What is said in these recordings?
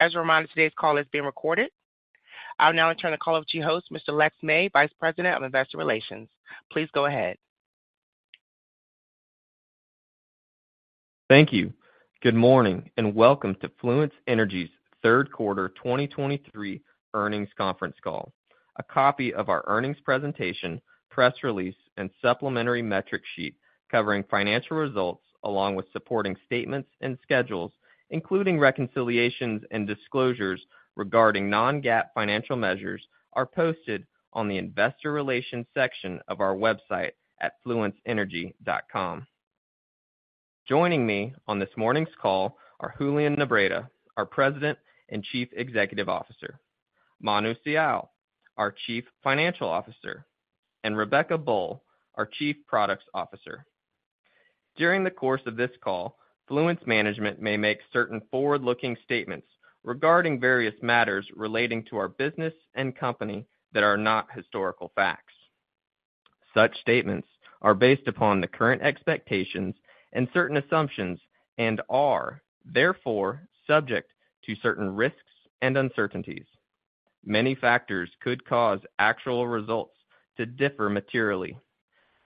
As a reminder, today's call is being recorded. I'll now turn the call over to your host, Mr. Lexington May, Vice President of Investor Relations. Please go ahead. Thank you. Good morning, welcome to Fluence Energy's Third Quarter 2023 Earnings Conference Call. A copy of our earnings presentation, press release, and supplementary metric sheet covering financial results, along with supporting statements and schedules, including reconciliations and disclosures regarding non-GAAP financial measures, are posted on the investor relations section of our website at fluenceenergy.com. Joining me on this morning's call are Julian Nebreda, our President and Chief Executive Officer; Manu Sial, our Chief Financial Officer; and Rebecca Boll, our Chief Product Officer. During the course of this call, Fluence management may make certain forward-looking statements regarding various matters relating to our business and company that are not historical facts. Such statements are based upon the current expectations and certain assumptions and are therefore subject to certain risks and uncertainties. Many factors could cause actual results to differ materially.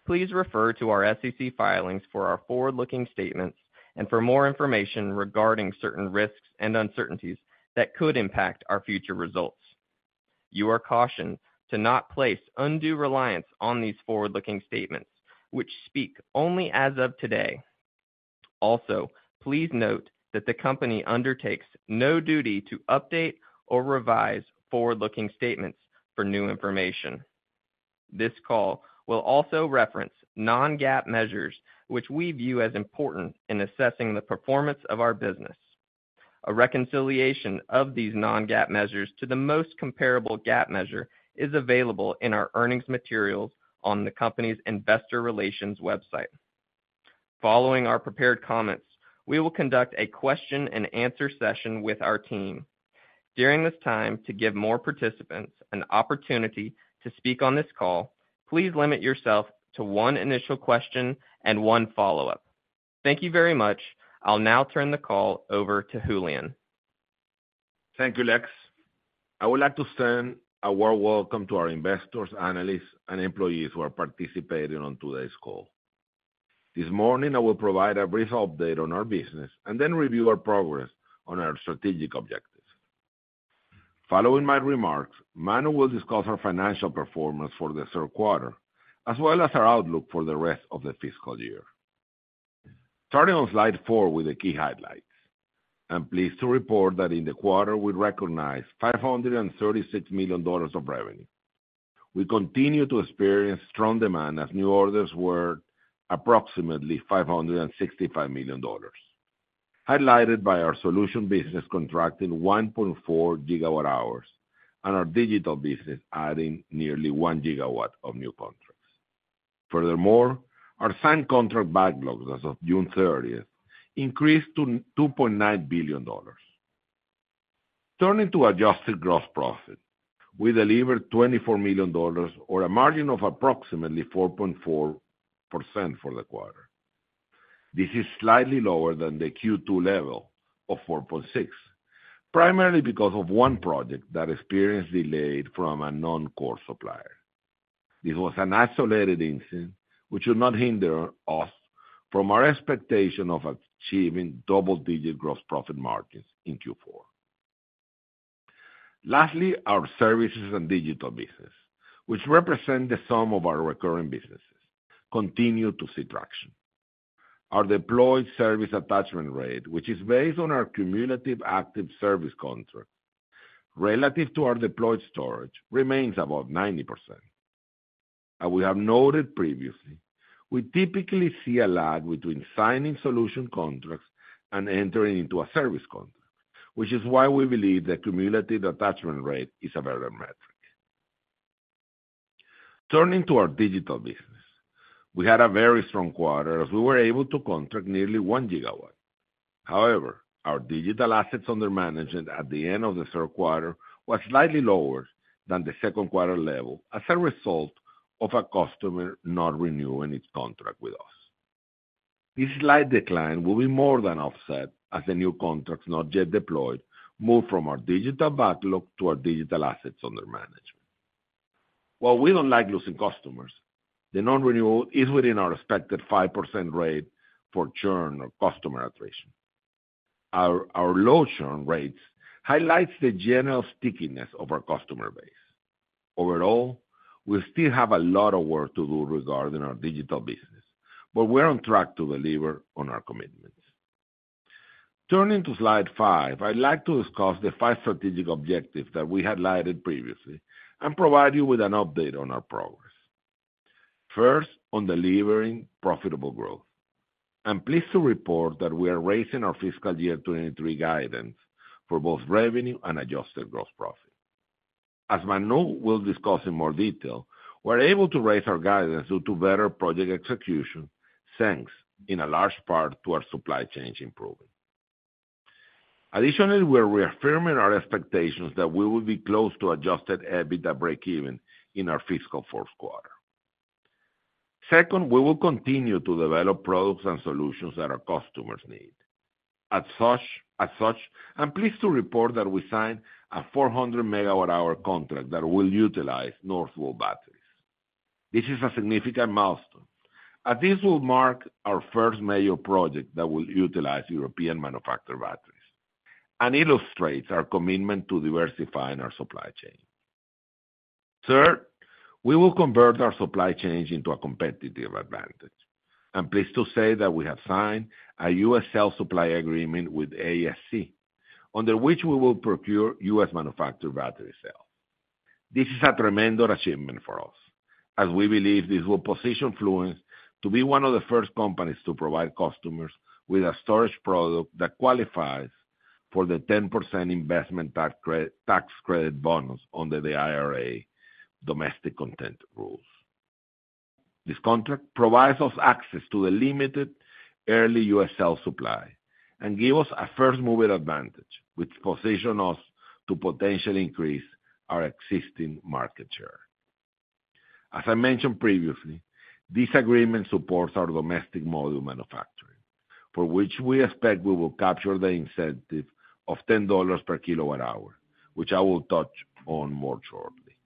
Please refer to our SEC filings for our forward-looking statements and for more information regarding certain risks and uncertainties that could impact our future results. You are cautioned to not place undue reliance on these forward-looking statements, which speak only as of today. Also, please note that the company undertakes no duty to update or revise forward-looking statements for new information. This call will also reference non-GAAP measures, which we view as important in assessing the performance of our business. A reconciliation of these non-GAAP measures to the most comparable GAAP measure is available in our earnings materials on the company's investor relations website. Following our prepared comments, we will conduct a question-and-answer session with our team. During this time, to give more participants an opportunity to speak on this call, please limit yourself to one initial question and one follow-up. Thank you very much. I'll now turn the call over to Julian. Thank you, Lex. I would like to send a warm welcome to our investors, analysts, and employees who are participating on today's call. This morning, I will provide a brief update on our business and then review our progress on our strategic objectives. Following my remarks, Manu will discuss our financial performance for the third quarter, as well as our outlook for the rest of the fiscal year. Starting on slide four with the key highlights. I'm pleased to report that in the quarter, we recognized $536 million of revenue. We continue to experience strong demand as new orders were approximately $565 million, highlighted by our solution business contracting 1.4 GW hours and our digital business adding nearly 1 gigawatt of new contracts. Furthermore, our signed contract backlogs as of June 30th increased to $2.9 billion. Turning to adjusted gross profit, we delivered $24 million or a margin of approximately 4.4% for the quarter. This is slightly lower than the Q2 level of 4.6%, primarily because of one project that experienced delayed from a non-core supplier. This was an isolated incident, which should not hinder us from our expectation of achieving double-digit gross profit margins in Q4. Our services and digital business, which represent the sum of our recurring businesses, continue to see traction. Our deployed service attachment rate, which is based on our cumulative active service contract relative to our deployed storage, remains above 90%. As we have noted previously, we typically see a lag between signing solution contracts and entering into a service contract, which is why we believe the cumulative attachment rate is a better metric. Turning to our digital business. We had a very strong quarter as we were able to contract nearly 1 GW. However, our digital assets under management at the end of the third quarter was slightly lower than the second quarter level as a result of a customer not renewing its contract with us. This slight decline will be more than offset as the new contracts not yet deployed move from our digital backlog to our digital assets under management. While we don't like losing customers, the non-renewal is within our expected 5% rate for churn or customer attrition. Our low churn rates highlights the general stickiness of our customer base. Overall, we still have a lot of work to do regarding our digital business, but we're on track to deliver on our commitments. Turning to slide five, I'd like to discuss the five strategic objectives that we highlighted previously and provide you with an update on our progress. First, on delivering profitable growth. I'm pleased to report that we are raising our fiscal year 2023 guidance for both revenue and adjusted gross profit. Manu Sial will discuss in more detail, we're able to raise our guidance due to better project execution, thanks in a large part to our supply chain improving. Additionally, we are reaffirming our expectations that we will be close to adjusted EBITDA breakeven in our fiscal fourth quarter. Second, we will continue to develop products and solutions that our customers need. As such, I'm pleased to report that we signed a 400 MW hour contract that will utilize Northvolt batteries. This is a significant milestone, as this will mark our first major project that will utilize European-manufactured batteries, and illustrates our commitment to diversifying our supply chain. Third, we will convert our supply chains into a competitive advantage. I'm pleased to say that we have signed a US cell supply agreement with AESC, under which we will procure US-manufactured battery cells. This is a tremendous achievement for us, as we believe this will position Fluence to be one of the first companies to provide customers with a storage product that qualifies for the 10% investment tax credit bonus under the IRA domestic content rules. This contract provides us access to the limited early US cell supply and give us a first-mover advantage, which position us to potentially increase our existing market share. As I mentioned previously, this agreement supports our domestic module manufacturing, for which we expect we will capture the incentive of $10 per kilowatt-hour, which I will touch on more shortly.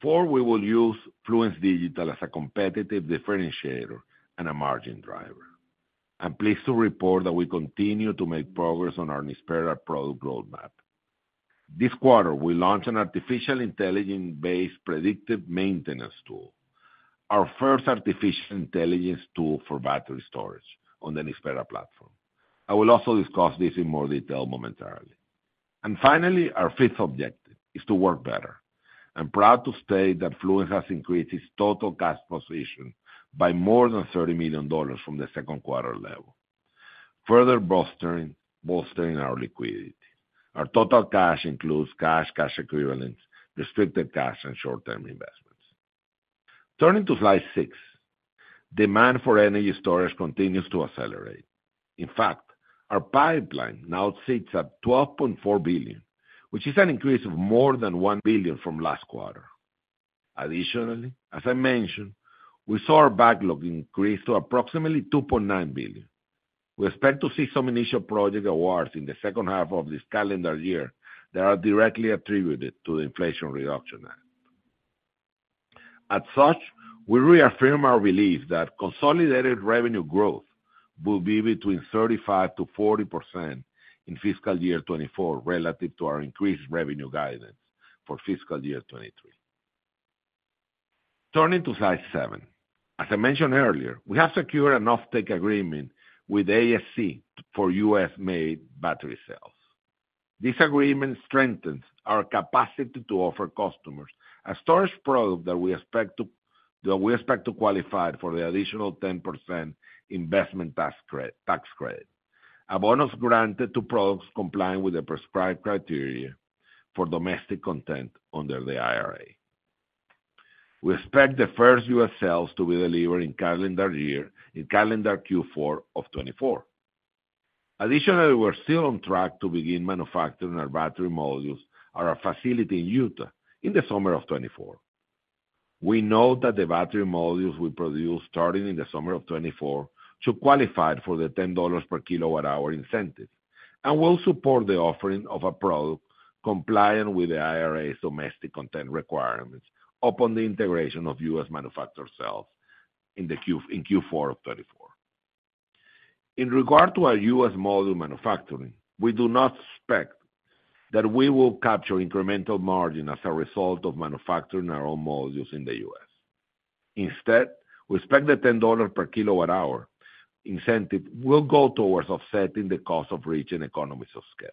Four, we will use Fluence Digital as a competitive differentiator and a margin driver. I'm pleased to report that we continue to make progress on our Nispera product roadmap. This quarter, we launched an artificial intelligence-based predictive maintenance tool, our first artificial intelligence tool for battery storage on the Nispera platform. I will also discuss this in more detail momentarily. Finally, our fifth objective is to work better. I'm proud to state that Fluence has increased its total cash position by more than $30 million from the second quarter level, further bolstering our liquidity. Our total cash includes cash, cash equivalents, restricted cash, and short-term investments. Turning to slide six, demand for energy storage continues to accelerate. In fact, our pipeline now sits at $12.4 billion, which is an increase of more than $1 billion from last quarter. Additionally, as I mentioned, we saw our backlog increase to approximately $2.9 billion. We expect to see some initial project awards in the second half of this calendar year that are directly attributed to the Inflation Reduction Act. Such, we reaffirm our belief that consolidated revenue growth will be between 35%-40% in fiscal year 2024, relative to our increased revenue guidance for fiscal year 2023. Turning to slide seven. As I mentioned earlier, we have secured an offtake agreement with AESC for U.S. made battery cells. This agreement strengthens our capacity to offer customers a storage product that we expect to qualify for the additional 10% investment tax credit, a bonus granted to products complying with the prescribed criteria for domestic content under the IRA. We expect the first U.S. cells to be delivered in calendar Q4 of 2024. Additionally, we're still on track to begin manufacturing our battery modules at our facility in Utah in the summer of 2024. We know that the battery modules we produce starting in the summer of 2024, should qualify for the $10 per kilowatt-hour incentive, and will support the offering of a product compliant with the IRA's domestic content requirements upon the integration of U.S. manufactured cells in Q4 of 2024. In regard to our U.S. module manufacturing, we do not expect that we will capture incremental margin as a result of manufacturing our own modules in the U.S. Instead, we expect the $10 per kWh incentive will go towards offsetting the cost of reaching economies of scale.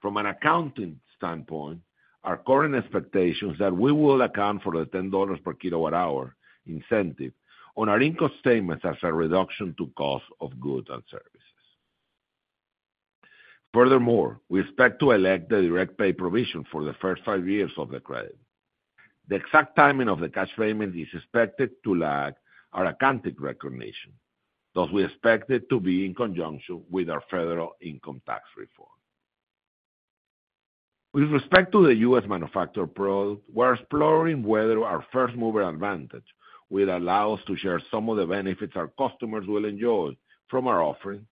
From an accounting standpoint, our current expectation is that we will account for the $10 per kWh incentive on our income statements as a reduction to cost of goods and services. We expect to elect the direct pay provision for the first 5 years of the credit. The exact timing of the cash payment is expected to lag our accounting recognition, thus we expect it to be in conjunction with our federal income tax reform. With respect to the U.S. manufactured product, we're exploring whether our first-mover advantage will allow us to share some of the benefits our customers will enjoy from our offering,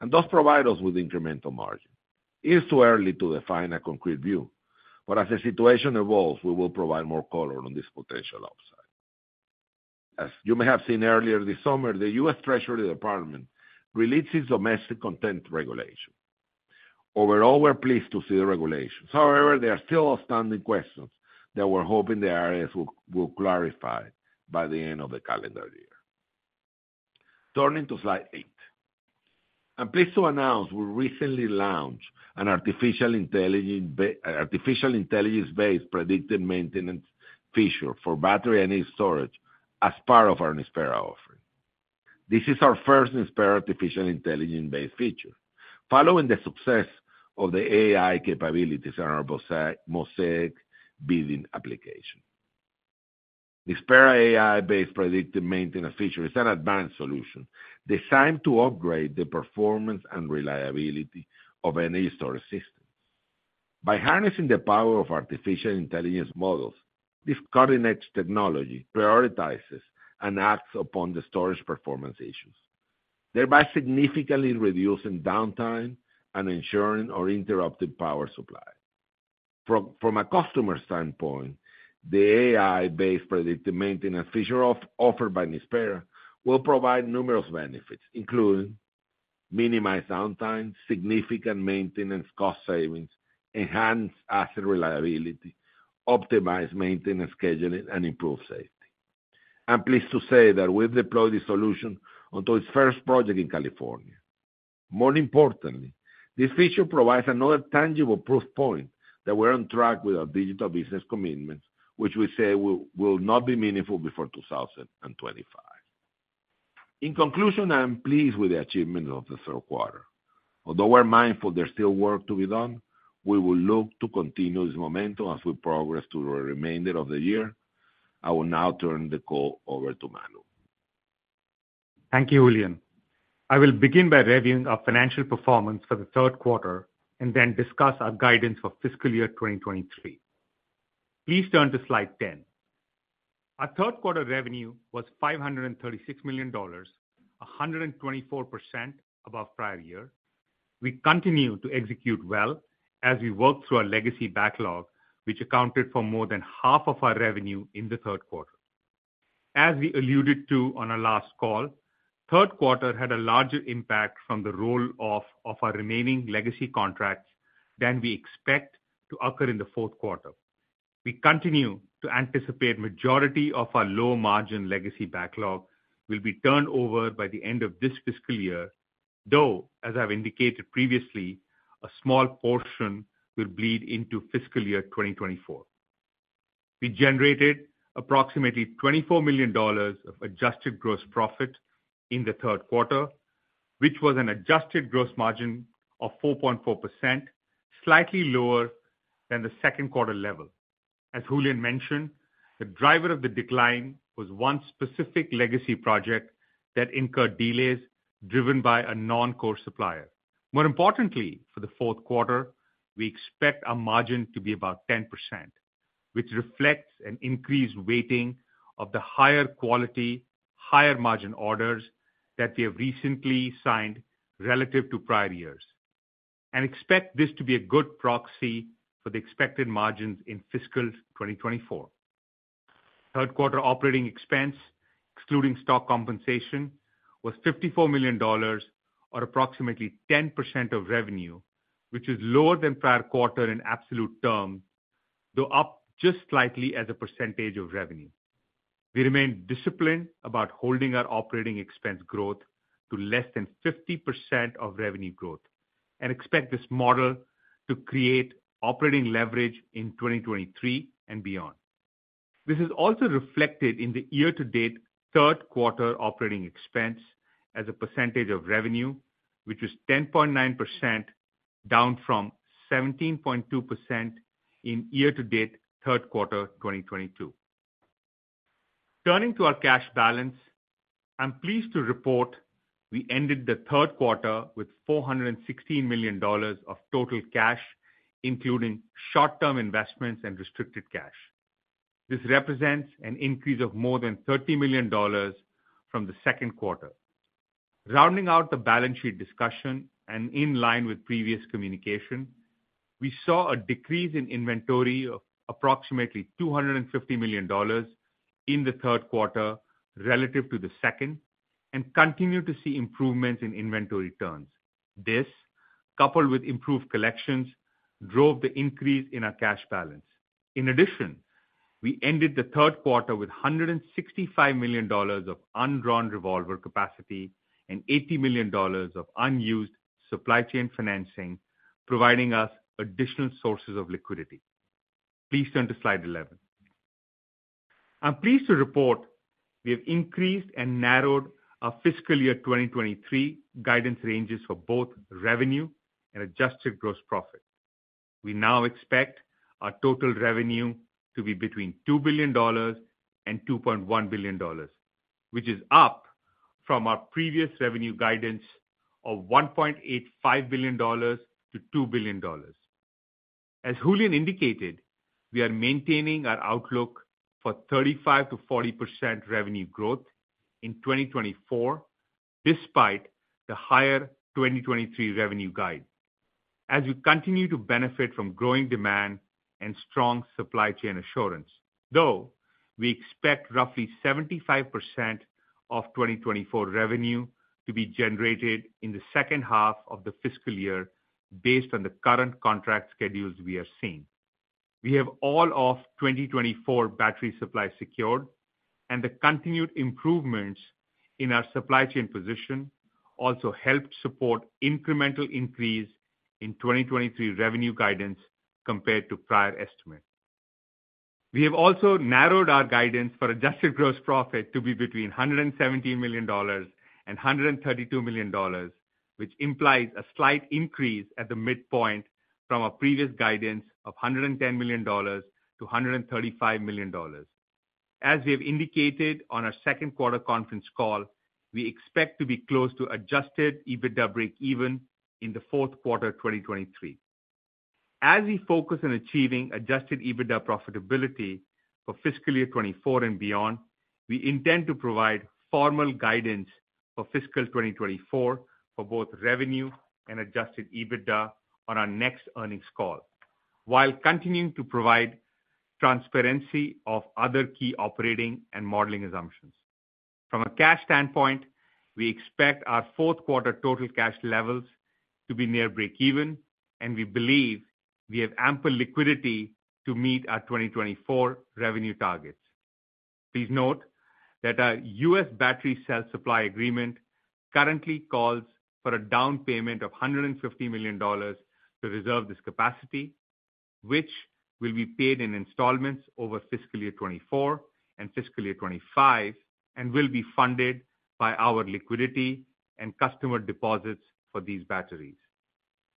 and thus provide us with incremental margin. It's too early to define a concrete view, but as the situation evolves, we will provide more color on this potential upside. As you may have seen earlier this summer, the U.S. Department of the Treasury released its domestic content regulation. Overall, we're pleased to see the regulations. However, there are still outstanding questions that we're hoping the IRS will clarify by the end of the calendar year. Turning to slide eight. I'm pleased to announce we recently launched an artificial intelligence-based predictive maintenance feature for battery energy storage as part of our Nispera offering. This is our first Nispera artificial intelligence-based feature, following the success of the AI capabilities on our Mosaic bidding application. Nispera AI-based predictive maintenance feature is an advanced solution, designed to upgrade the performance and reliability of any storage system. By harnessing the power of artificial intelligence models, this cutting-edge technology prioritizes and acts upon the storage performance issues, thereby significantly reducing downtime and ensuring our interrupted power supply. From a customer standpoint, the AI-based predictive maintenance feature offered by Nispera will provide numerous benefits, including minimized downtime, significant maintenance cost savings, enhanced asset reliability, optimized maintenance scheduling, and improved safety. I'm pleased to say that we've deployed this solution onto its first project in California. More importantly, this feature provides another tangible proof point that we're on track with our digital business commitments, which we say will not be meaningful before 2025. In conclusion, I am pleased with the achievement of the third quarter. Although we're mindful there's still work to be done, we will look to continue this momentum as we progress through the remainder of the year. I will now turn the call over to Manu. Thank you, Julian. I will begin by reviewing our financial performance for the third quarter and then discuss our guidance for fiscal year 2023. Please turn to slide 10. Our third quarter revenue was $536 million, 124% above prior year. We continue to execute well as we work through our legacy backlog, which accounted for more than half of our revenue in the third quarter. As we alluded to on our last call, third quarter had a larger impact from the roll-off of our remaining legacy contracts than we expect to occur in the fourth quarter. We continue to anticipate majority of our low-margin legacy backlog will be turned over by the end of this fiscal year, though, as I've indicated previously, a small portion will bleed into fiscal year 2024. We generated approximately $24 million of adjusted gross profit in the third quarter, which was an adjusted gross margin of 4.4%, slightly lower than the second quarter level. As Julian mentioned, the driver of the decline was one specific legacy project that incurred delays driven by a non-core supplier. More importantly, for the fourth quarter, we expect our margin to be about 10%, which reflects an increased weighting of the higher quality, higher margin orders that we have recently signed relative to prior years, and expect this to be a good proxy for the expected margins in fiscal 2024. Third quarter operating expense, excluding stock compensation, was $54 million or approximately 10% of revenue, which is lower than prior quarter in absolute terms, though up just slightly as a percentage of revenue. We remain disciplined about holding our operating expense growth to less than 50% of revenue growth and expect this model to create operating leverage in 2023 and beyond. This is also reflected in the year-to-date third quarter operating expense as a percentage of revenue, which is 10.9%, down from 17.2% in year-to-date third quarter 2022. Turning to our cash balance, I'm pleased to report we ended the third quarter with $416 million of total cash, including short-term investments and restricted cash. This represents an increase of more than $30 million from the second quarter. Rounding out the balance sheet discussion and in line with previous communication, we saw a decrease in inventory of approximately $250 million in the third quarter relative to the second, and continue to see improvements in inventory turns. This, coupled with improved collections, drove the increase in our cash balance. In addition, we ended the third quarter with $165 million of undrawn revolver capacity and $80 million of unused supply chain financing, providing us additional sources of liquidity. Please turn to slide 11. I'm pleased to report we have increased and narrowed our fiscal year 2023 guidance ranges for both revenue and adjusted gross profit. We now expect our total revenue to be between $2 billion and $2.1 billion, which is up from our previous revenue guidance of $1.85 billion-$2 billion. As Julian indicated, we are maintaining our outlook for 35%-40% revenue growth in 2024, despite the higher 2023 revenue guide. As we continue to benefit from growing demand and strong supply chain assurance, though, we expect roughly 75% of 2024 revenue to be generated in the second half of the fiscal year based on the current contract schedules we are seeing. We have all of 2024 battery supply secured, The continued improvements in our supply chain position also helped support incremental increase in 2023 revenue guidance compared to prior estimates. We have also narrowed our guidance for adjusted gross profit to be between $117 million and $132 million, which implies a slight increase at the midpoint from our previous guidance of $110 million to $135 million. As we have indicated on our second quarter conference call, we expect to be close to adjusted EBITDA breakeven in the fourth quarter of 2023. As we focus on achieving adjusted EBITDA profitability for fiscal year 2024 and beyond, we intend to provide formal guidance for fiscal 2024 for both revenue and adjusted EBITDA on our next earnings call, while continuing to provide transparency of other key operating and modeling assumptions. From a cash standpoint, we expect our fourth quarter total cash levels to be near breakeven, and we believe we have ample liquidity to meet our 2024 revenue targets. Please note that our U.S. battery cell supply agreement currently calls for a down payment of $150 million to reserve this capacity, which will be paid in installments over fiscal year 2024 and fiscal year 2025, and will be funded by our liquidity and customer deposits for these batteries.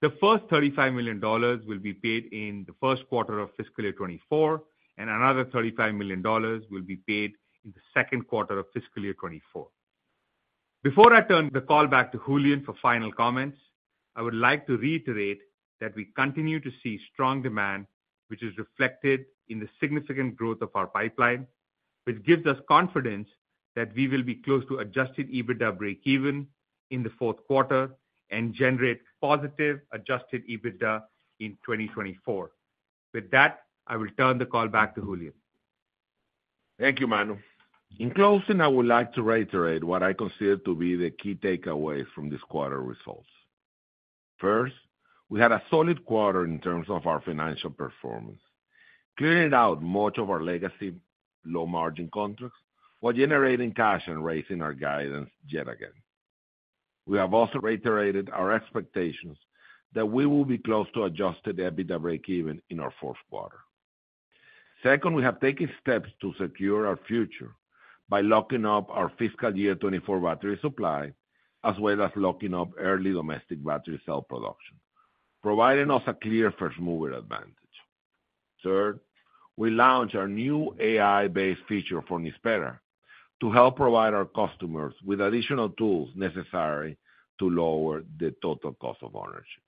The first $35 million will be paid in the first quarter of fiscal year 2024, and another $35 million will be paid in the second quarter of fiscal year 2024. Before I turn the call back to Julian for final comments, I would like to reiterate that we continue to see strong demand, which is reflected in the significant growth of our pipeline, which gives us confidence that we will be close to adjusted EBITDA breakeven in the fourth quarter and generate positive adjusted EBITDA in 2024. With that, I will turn the call back to Julian. Thank you, Manu. In closing, I would like to reiterate what I consider to be the key takeaways from this quarter results. First, we had a solid quarter in terms of our financial performance, clearing out much of our legacy low-margin contracts, while generating cash and raising our guidance yet again. We have also reiterated our expectations that we will be close to adjusted EBITDA breakeven in our fourth quarter. Second, we have taken steps to secure our future by locking up our fiscal year 2024 battery supply, as well as locking up early domestic battery cell production, providing us a clear first-mover advantage. Third, we launched our new AI-based feature for Nispera to help provide our customers with additional tools necessary to lower the total cost of ownership.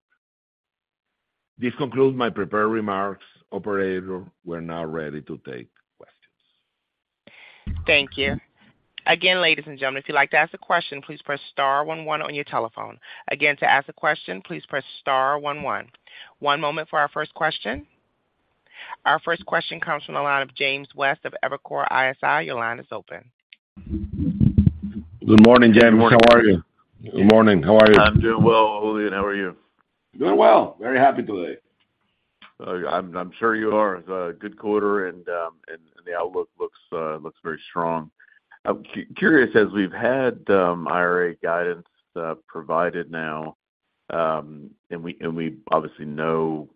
This concludes my prepared remarks. Operator, we're now ready to take questions. Thank you. Again, ladies and gentlemen, if you'd like to ask a question, please press star one one on your telephone. Again, to ask a question, please press star one one. One moment for our first question. Our first question comes from the line of James West of Evercore ISI. Your line is open. Good morning, James. How are you? Good morning. How are you? I'm doing well, Julian. How are you? Doing well. Very happy today. I'm sure you are. It's a good quarter, and the outlook looks very strong. I'm curious, as we've had IRA guidance provided now, and we obviously know.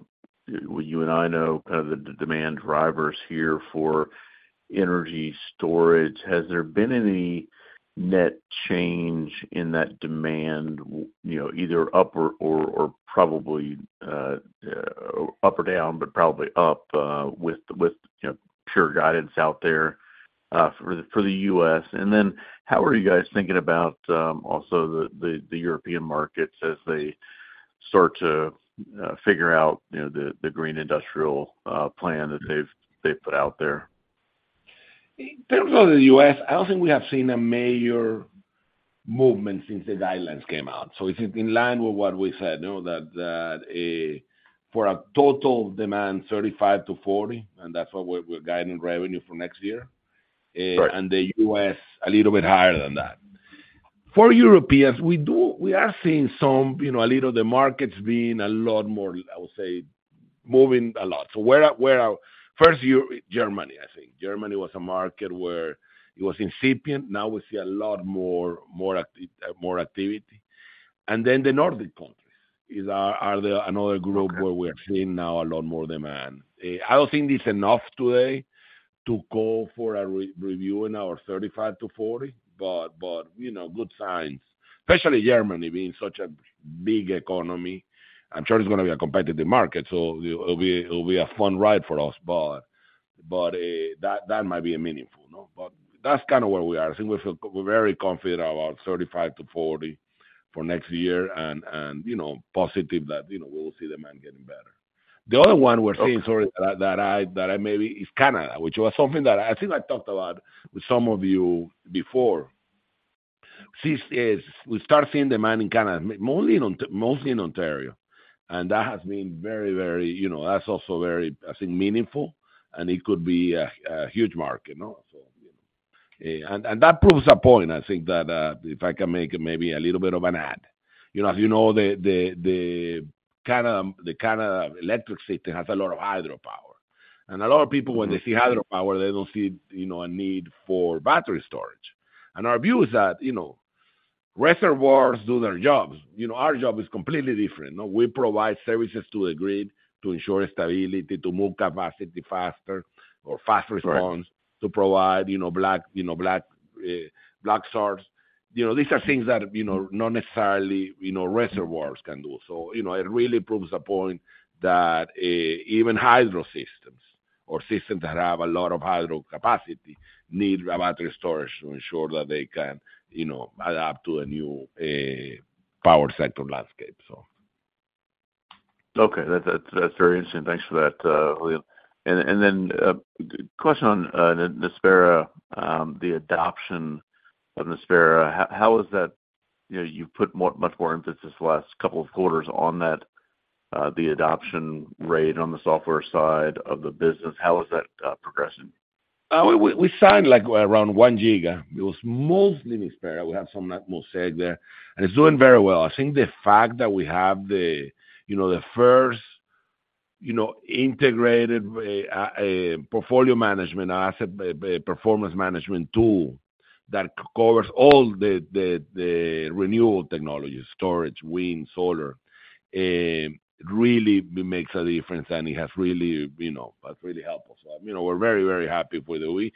Well, you and I know kind of the demand drivers here for energy storage. Has there been any net change in that demand, you know, either up or probably, up or down, but probably up, with, you know, pure guidance out there, for the U.S.? How are you guys thinking about, also the European markets as they start to figure out, you know, the Green Industrial Plan that they've put out there? In terms of the U.S., I don't think we have seen a major movement since the guidelines came out. It's in line with what we said, you know that, for a total demand, 35-40, and that's what we're, we're guiding revenue for next year. Right. The US, a little bit higher than that. For Europeans, we are seeing some, you know, a little, the markets being a lot more, I would say, moving a lot. Where are, where are... First, Germany, I think. Germany was a market where it was incipient. Now we see a lot more, more activity. The Nordic countries is, are, are the another group. Okay. Where we are seeing now a lot more demand. I don't think this is enough today to go for a review in our 35-40, but, you know, good signs, especially Germany being such a big economy. I'm sure it's going to be a competitive market, so it'll be a fun ride for us, but, that, that might be a meaningful, no? That's kind of where we are. I think we feel very confident about 35-40 for next year and, you know, positive that, you know, we will see demand getting better. The other one we're seeing. Okay. Sorry, that I, that I maybe, Canada, which was something that I think I talked about with some of you before. Since we start seeing demand in Canada, mostly in mostly in Ontario, and that has been very you know, that's also very, I think, meaningful, and it could be a, a huge market, no? You know. And that proves a point, I think, that, if I can make maybe a little bit of an ad. You know, as you know the Canada, the Canada electric system has a lot of hydropower. A lot of people when they see hydropower, they don't see, you know, a need for battery storage. Our view is that, you know, reservoirs do their jobs. You know, our job is completely different, no? We provide services to the grid to ensure stability, to move capacity faster or fast response. Right. To provide, you know, black, you know, black start. You know, these are things that, you know, not necessarily, you know, reservoirs can do. You know, it really proves the point that, even hydro systems or systems that have a lot of hydro capacity need battery storage to ensure that they can, you know, adapt to a new, power sector landscape, so. Okay. That, that's very interesting. Thanks for that, Julian. Question on the Nispera, the adoption of Nispera. How is that? You know, you've put more, much more emphasis the last couple of quarters on that, the adoption rate on the software side of the business. How is that progressing? We signed, like, around one giga. It was mostly Nispera. It's doing very well. I think the fact that we have the, you know, the first, you know, integrated portfolio management, asset performance management tool that covers all the, the, the renewal technologies: storage, wind, solar, really makes a difference. It has really, you know, really helped us. You know, we're very, very happy with it.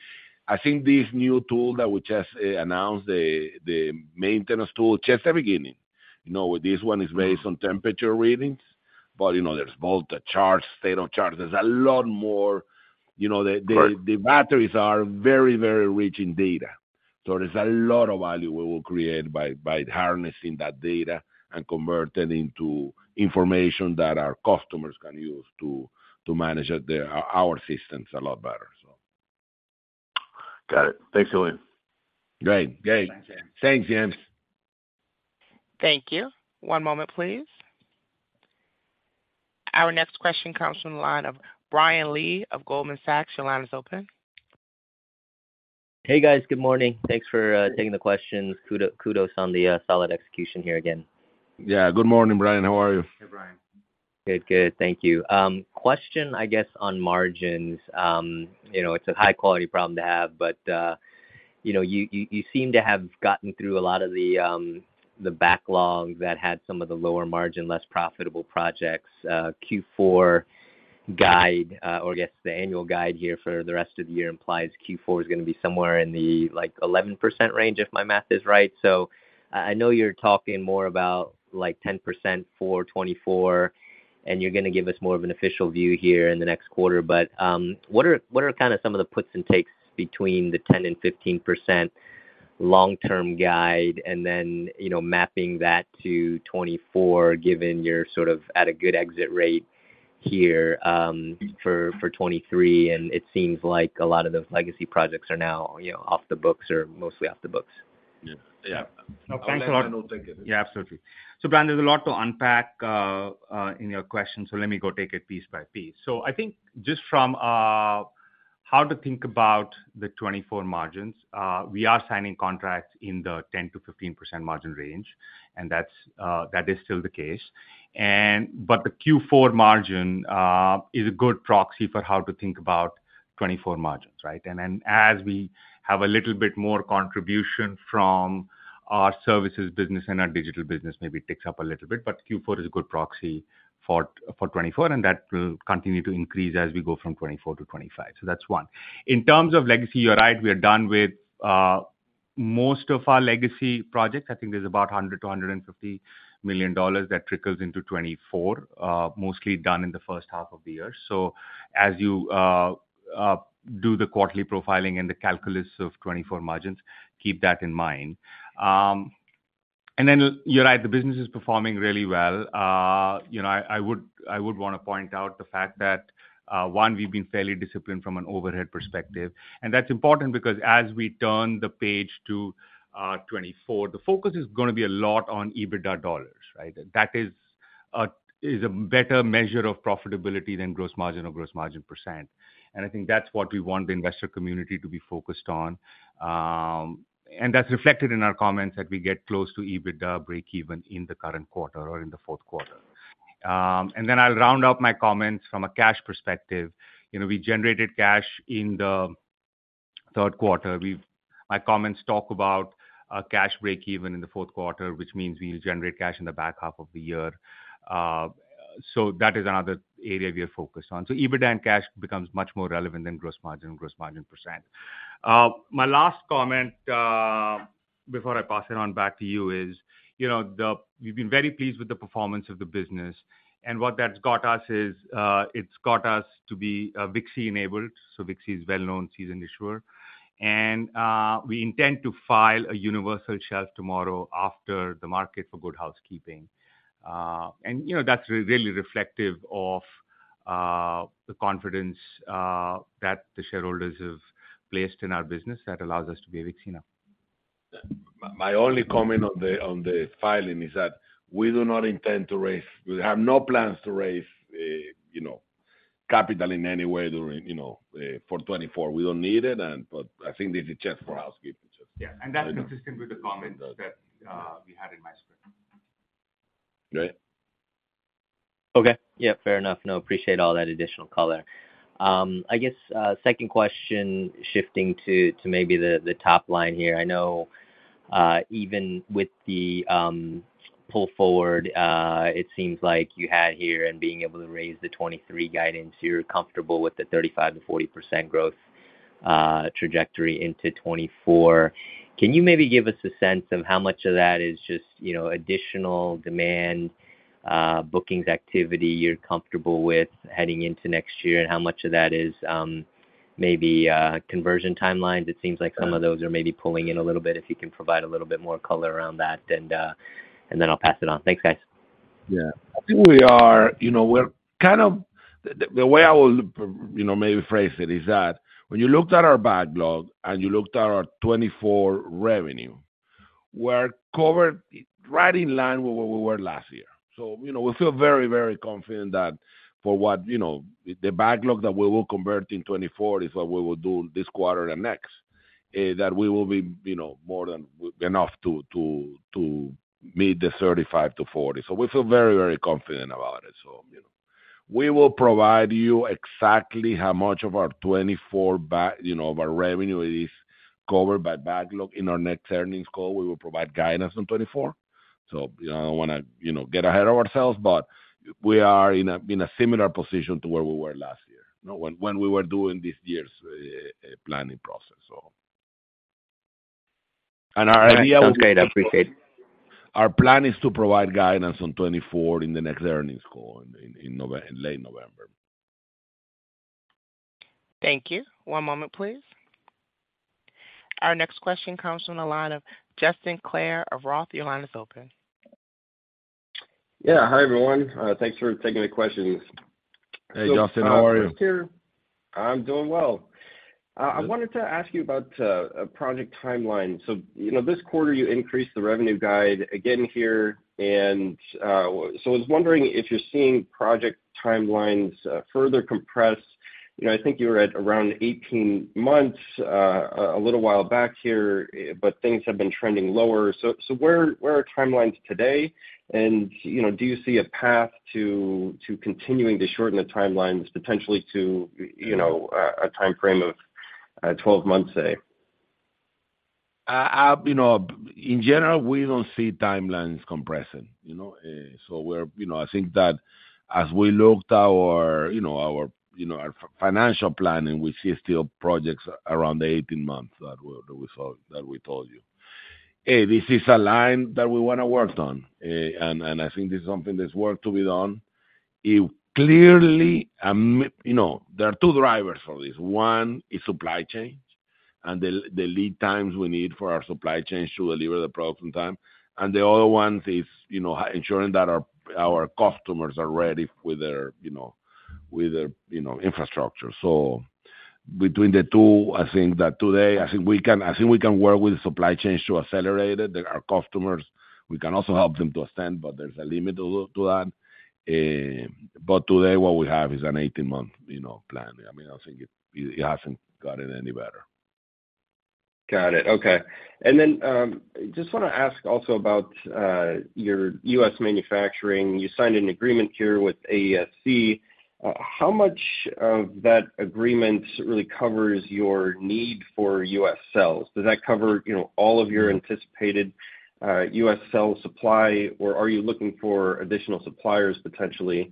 I think this new tool that we just announced, the, the maintenance tool, just the beginning. You know, this one is based on temperature readings. You know, there's voltage charts, state of charge. There's a lot more. Right. The batteries are very, very rich in data, so there's a lot of value we will create by, by harnessing that data and convert it into information that our customers can use to, to manage their, our systems a lot better, so. Got it. Thanks, Julian. Great. Great. Thanks, James. Thanks, James. Thank you. One moment, please. Our next question comes from the line of Brian Lee of Goldman Sachs. Your line is open. Hey, guys. Good morning. Thanks for taking the questions. Kudos, kudos on the solid execution here again. Yeah, good morning, Brian. How are you? Hey, Brian. Good. Good, thank you. Question, I guess, on margins. You know, it's a high-quality problem to have, but, you know, you, you, you seem to have gotten through a lot of the backlogs that had some of the lower margin, less profitable projects. Q4 guide, or I guess, the annual guide here for the rest of the year implies Q4 is gonna be somewhere in the, like, 11% range, if my math is right. I know you're talking more about, like, 10% for 2024, and you're gonna give us more of an official view here in the next quarter. What are, what are kind of some of the puts and takes between the 10% and 15% long-term guide, and then, you know, mapping that to 2024, given you're sort of at a good exit rate here, for, for 2023, and it seems like a lot of the legacy projects are now, you know, off the books or mostly off the books? Yeah. I'll take it. Yeah, absolutely. Brian Lee, there's a lot to unpack in your question, so let me go take it piece by piece. I think just from how to think about the 2024 margins, we are signing contracts in the 10%-15% margin range, and that's that is still the case. The Q4 margin is a good proxy for how to think about 2024 margins, right? As we have a little bit more contribution from our services business and our digital business, maybe it ticks up a little bit. Q4 is a good proxy for, for 2024, and that will continue to increase as we go from 2024 to 2025. That's one. In terms of legacy, you're right, we are done with most of our legacy projects. I think there's about $100 million to $150 million that trickles into 2024, mostly done in the first half of the year. As you do the quarterly profiling and the calculus of 2024 margins, keep that in mind. Then, you're right, the business is performing really well. You know I would want to point out the fact that, one, we've been fairly disciplined from an overhead perspective, and that's important because as we turn the page to 2024, the focus is gonna be a lot on EBITDA dollars, right? That is a better measure of profitability than gross margin or gross margin %. I think that's what we want the investor community to be focused on. That's reflected in our comments that we get close to EBITDA breakeven in the current quarter or in the fourth quarter. Then I'll round out my comments from a cash perspective. You know, we generated cash in the third quarter. My comments talk about a cash breakeven in the fourth quarter, which means we generate cash in the back half of the year. That is another area we are focused on. EBITDA and cash becomes much more relevant than gross margin, gross margin percent. My last comment, before I pass it on back to you is, you know, we've been very pleased with the performance of the business, and what that's got us is, it's got us to be, WKSI enabled. WKSI is a well-known seasoned issuer, and we intend to file a universal shelf tomorrow after the market for Good Housekeeping. You know, that's really reflective of the confidence that the shareholders have placed in our business that allows us to be WKSI now. My only comment on the, on the filing is that we do not intend to raise- we have no plans to raise, you know, capital in any way during, you know, for 2024. We don't need it and but I think this is just for housekeeping. Yeah, that's consistent with the comments that we had in my script. Great. Okay. Yeah, fair enough. No, appreciate all that additional color. I guess, second question, shifting to, to maybe the, the top line here. I know, even with the, pull forward, it seems like you had here and being able to raise the 2023 guidance, you're comfortable with the 35%-40% growth trajectory into 2024. Can you maybe give us a sense of how much of that is just, you know, additional demand, bookings activity you're comfortable with heading into next year? How much of that is, maybe, conversion timelines? It seems like some of those are maybe pulling in a little bit. If you can provide a little bit more color around that, and then I'll pass it on. Thanks, guys. Yeah. I think we are, you know, the way I will, you know, maybe phrase it is that when you looked at our backlog and you looked at our 2024 revenue, we're covered right in line with where we were last year. You know, we feel very, very confident that for what, you know, the backlog that we will convert in 2024 is what we will do this quarter and next. That we will be, you know, more than enough to, to, to meet the 35-40. We feel very, very confident about it. You know. We will provide you exactly how much of our 2024 back you know, of our revenue is covered by backlog. In our next earnings call, we will provide guidance on 2024. I don't wanna, you know, get ahead of ourselves, but we are in a, in a similar position to where we were last year, you know, when, when we were doing this year's planning process, so. Okay, I appreciate. Our plan is to provide guidance on 2024 in the next earnings call in November, late November. Thank you. One moment, please. Our next question comes from the line of Justin Clare of Roth. Your line is open. Yeah, hi, everyone. Thanks for taking the questions. Hey, Justin. How are you? I'm doing well. I wanted to ask you about project timeline. You know, this quarter, you increased the revenue guide again here, and I was wondering if you're seeing project timelines further compress. You know, I think you were at around 18 months a little while back here, but things have been trending lower. Where, where are timelines today? You know, do you see a path to continuing to shorten the timelines potentially to, you know, a timeframe of 12 months, say? You know, in general, we don't see timelines compressing, you know. You know, I think that as we looked our, you know, our, you know, our financial planning, we see still projects around the 18 months that we, that we told, that we told you. This is a line that we wanna work on, and, and I think this is something that's work to be done. It clearly, you know, there are two drivers for this. One is supply chain and the, the lead times we need for our supply chain to deliver the products on time, and the other one is, you know, ensuring that our, our customers are ready with their, you know, with their, you know, infrastructure. Between the two, I think that today, I think we can, I think we can work with the supply chains to accelerate it. There are customers, we can also help them to ascend, but there's a limit to, to that. Today what we have is an 18-month, you know, plan. I mean, I think it, it hasn't gotten any better. Got it. Okay. Just wanna ask also about your U.S. manufacturing. You signed an agreement here with AESC. How much of that agreement really covers your need for U.S. cells? Does that cover, you know, all of your anticipated US cell supply, or are you looking for additional suppliers potentially?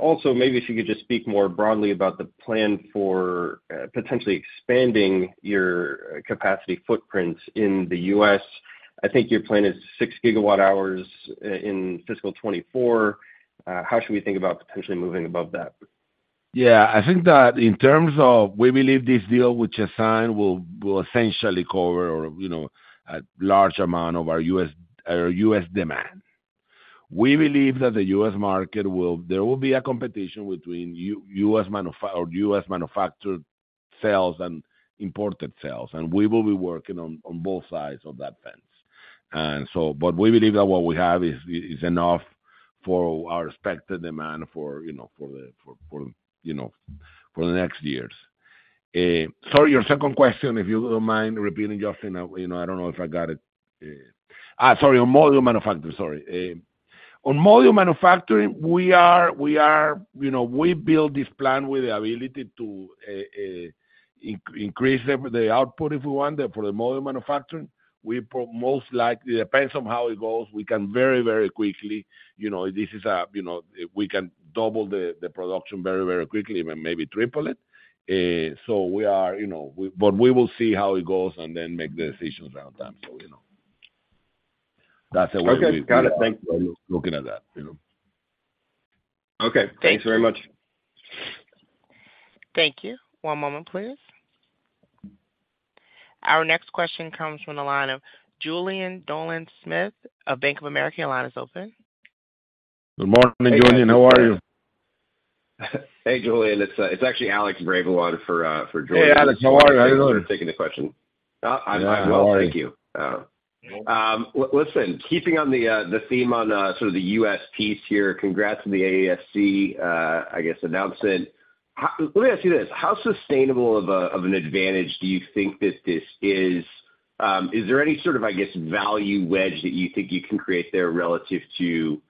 Also, maybe if you could just speak more broadly about the plan for potentially expanding your capacity footprint in the US. I think your plan is 6 GW hours in fiscal 2024. How should we think about potentially moving above that? Yeah, I think that in terms of we believe this deal, which assigned, will, will essentially cover or, you know, a large amount of our U.S., our U.S. demand. We believe that the U.S. market will there will be a competition between U.S. manufactured or U.S.-manufactured cells and imported cells, and we will be working on, on both sides of that fence. But we believe that what we have is, is enough for our expected demand for, you know, for the, for you know, for the next years. Sorry, your second question, if you don't mind repeating, Justin, you know, I don't know if I got it. Ah, sorry, on module manufacturing, sorry. On module manufacturing, we are, we are, you know, we build this plan with the ability to, increase the, the output if we want. For the module manufacturing, we most likely, depends on how it goes, we can very, very quickly, you know, this is a, you know, we can double the, the production very, very quickly and maybe triple it. We are, you know, but we will see how it goes and then make the decisions around that so we know. That's the way we. Okay, got it. Thank you. looking at that, you know? Okay. Thanks very much. Thank you. One moment, please. Our next question comes from the line of Julian Dumoulin-Smith of Bank of America. Your line is open. Good morning, Julian. How are you? Hey, Julian, it's, it's actually Alex Probert for, for Julian. Hey, Alex, how are you? Thanks for taking the question. How are you? I'm well, thank you. Listen, keeping on the theme on sort of the US piece here, congrats on the AESC, I guess, announcement. Let me ask you this: How sustainable of an advantage do you think that this is? Is there any sort of, I guess, value wedge that you think you can create there relative to,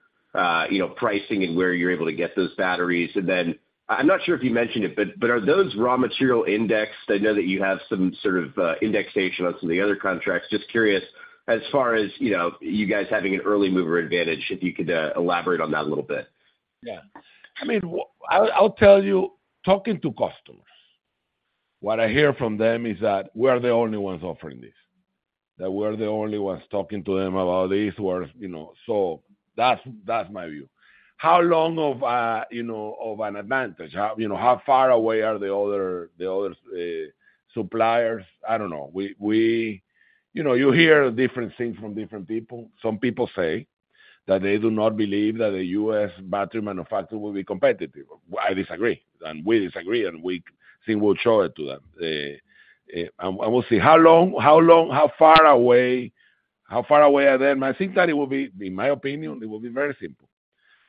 you know, pricing and where you're able to get those batteries? And then, I'm not sure if you mentioned it, but are those raw material indexed? I know that you have some sort of indexation on some of the other contracts. Just curious, as far as, you know, you guys having an early mover advantage, if you could elaborate on that a little bit. Yeah. I mean I'll tell you, talking to customers. What I hear from them is that we are the only ones offering this, that we are the only ones talking to them about this, or, you know. That's, that's my view. How long of a, you know, of an advantage? How, you know, how far away are the other, the other suppliers? I don't know. We you know, you hear different things from different people. Some people say that they do not believe that a U.S. battery manufacturer will be competitive. I disagree, and we disagree, and we think we'll show it to them. And we'll see. How long, how long how far away, how far away are they? I think that it will be, in my opinion, it will be very simple.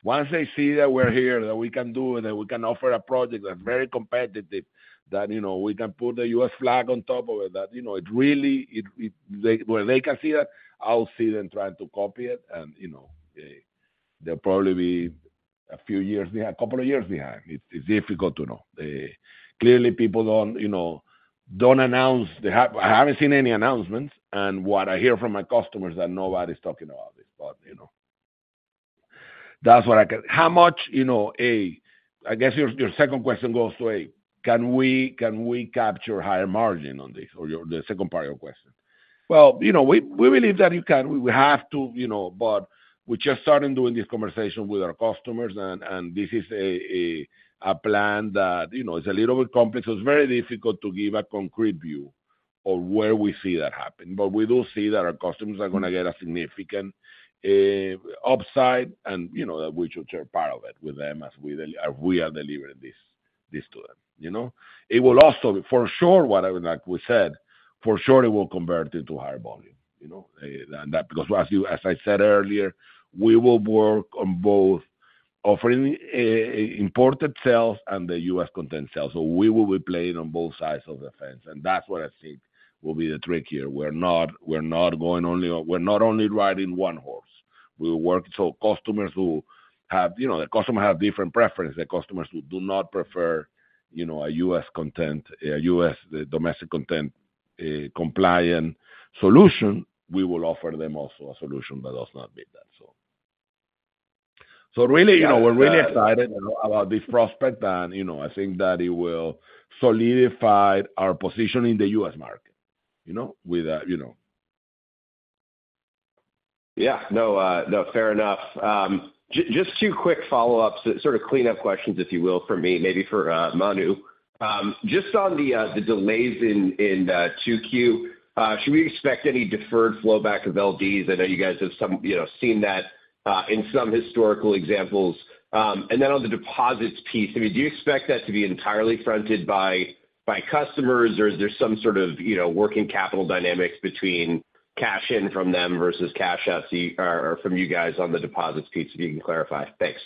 Once they see that we're here, that we can do it, that we can offer a project that's very competitive, that, you know, we can put the U.S. flag on top of it, that, you know, When they can see that, I'll see them trying to copy it and, you know, they'll probably be a few years behind, a couple of years behind. It's, it's difficult to know. Clearly, people don't, you know, don't announce they have I haven't seen any announcements, what I hear from my customers that nobody's talking about this, you know. How much, you know, I guess your, your second question goes to, can we, can we capture higher margin on this? Your, the second part of your question. Well, you know, we, we believe that you can. We have to, you know, we just started doing this conversation with our customers, and, and this is a plan that, you know, is a little bit complex. It's very difficult to give a concrete view of where we see that happening. We do see that our customers are gonna get a significant upside and, you know, that we should share part of it with them as we are delivering this, this to them, you know? It will also, for sure, what I, like we said, for sure it will convert into higher volume, you know, and that because as I said earlier, we will work on both offering imported cells and the U.S. content cells. We will be playing on both sides of the fence, and that's what I think will be the trick here. We're not, we're not only riding one horse. We work so customers who have you know, the customer have different preference. The customers who do not prefer, you know, a U.S. content, a U.S. domestic content compliant solution, we will offer them also a solution that does not meet that so. Really, you know, we're really excited about this prospect, and, you know, I think that it will solidify our position in the U.S. market, you know, with, you know. Yeah. No, no, fair enough. Just two quick follow-ups, sort of clean up questions, if you will, for me, maybe for Manu Sial. Just on the, the delays in, in 2Q, should we expect any deferred flow back of LDs? I know you guys have some, you know, seen that in some historical examples. And then on the deposits piece, I mean, do you expect that to be entirely fronted by, by customers, or is there some sort of, you know, working capital dynamics between cash in from them versus cash or, or from you guys on the deposits piece, if you can clarify? Thanks.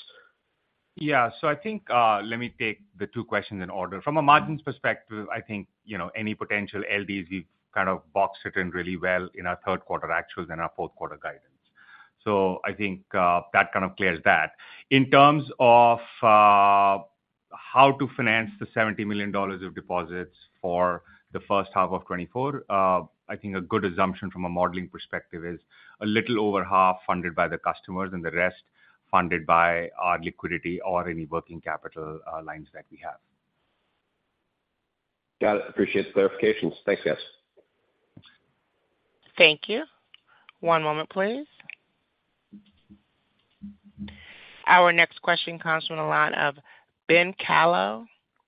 Yeah. I think, let me take the two questions in order. From a margins perspective, I think, you know, any potential LDs, we've kind of boxed it in really well in our third quarter actuals and our fourth quarter guidance. I think, that kind of clears that. In terms of how to finance the $70 million of deposits for the first half of 2024, I think a good assumption from a modeling perspective is a little over half funded by the customers and the rest funded by our liquidity or any working capital lines that we have. Got it. Appreciate the clarifications. Thanks, guys. Thank you. One moment, please. Our next question comes from the line of Ben Kallo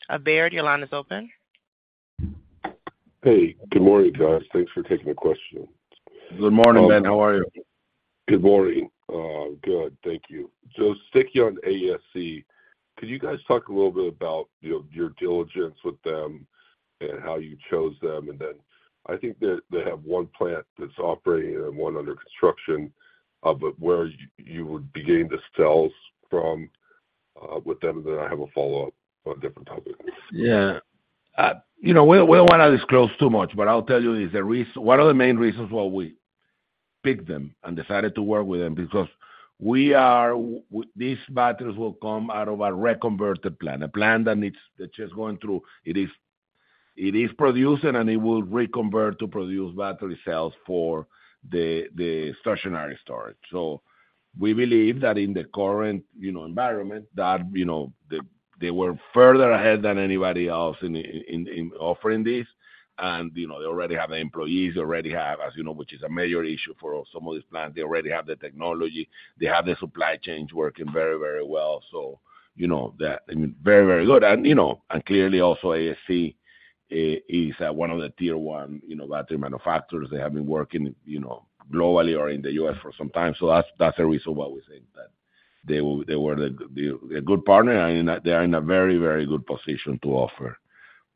of Baird. Your line is open. Hey, good morning, guys. Thanks for taking the question. Good morning, Ben. How are you? Good morning. Good. Thank you. Sticking on AESC, could you guys talk a little bit about your, your diligence with them and how you chose them? I think they, they have one plant that's operating and one under construction, but where you would be getting the cells from, with them? I have a follow-up on a different topic. Yeah. You know, we don't want to disclose too much, but I'll tell you is one of the main reasons why we picked them and decided to work with them, because these batteries will come out of a reconverted plant, a plant that's just going through. It is, it is producing, and it will reconvert to produce battery cells for the, the stationary storage. We believe that in the current, you know, environment, that, you know, they, they were further ahead than anybody else in, in, in offering this. You know, they already have the employees, they already have, as you know, which is a major issue for some of these plants. They already have the technology. They have the supply chains working very, very well. You know that, I mean, very, very good, and, you know, and clearly also AESC is one of the tier one, you know, battery manufacturers. They have been working, you know, globally or in the U.S. for some time. That's, that's the reason why we think that they were the, the, a good partner, and they are in a very, very good position to offer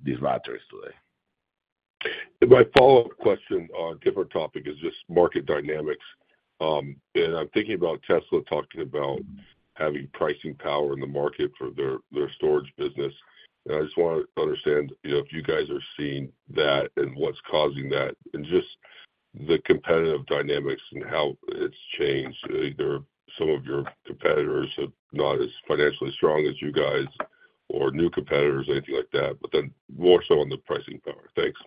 these batteries today. My follow-up question on a different topic is just market dynamics. I'm thinking about Tesla talking about having pricing power in the market for their, their storage business. I just want to understand, you know, if you guys are seeing that and what's causing that, and just the competitive dynamics and how it's changed. Either some of your competitors are not as financially strong as you guys or new competitors or anything like that, but then more so on the pricing power. Thanks.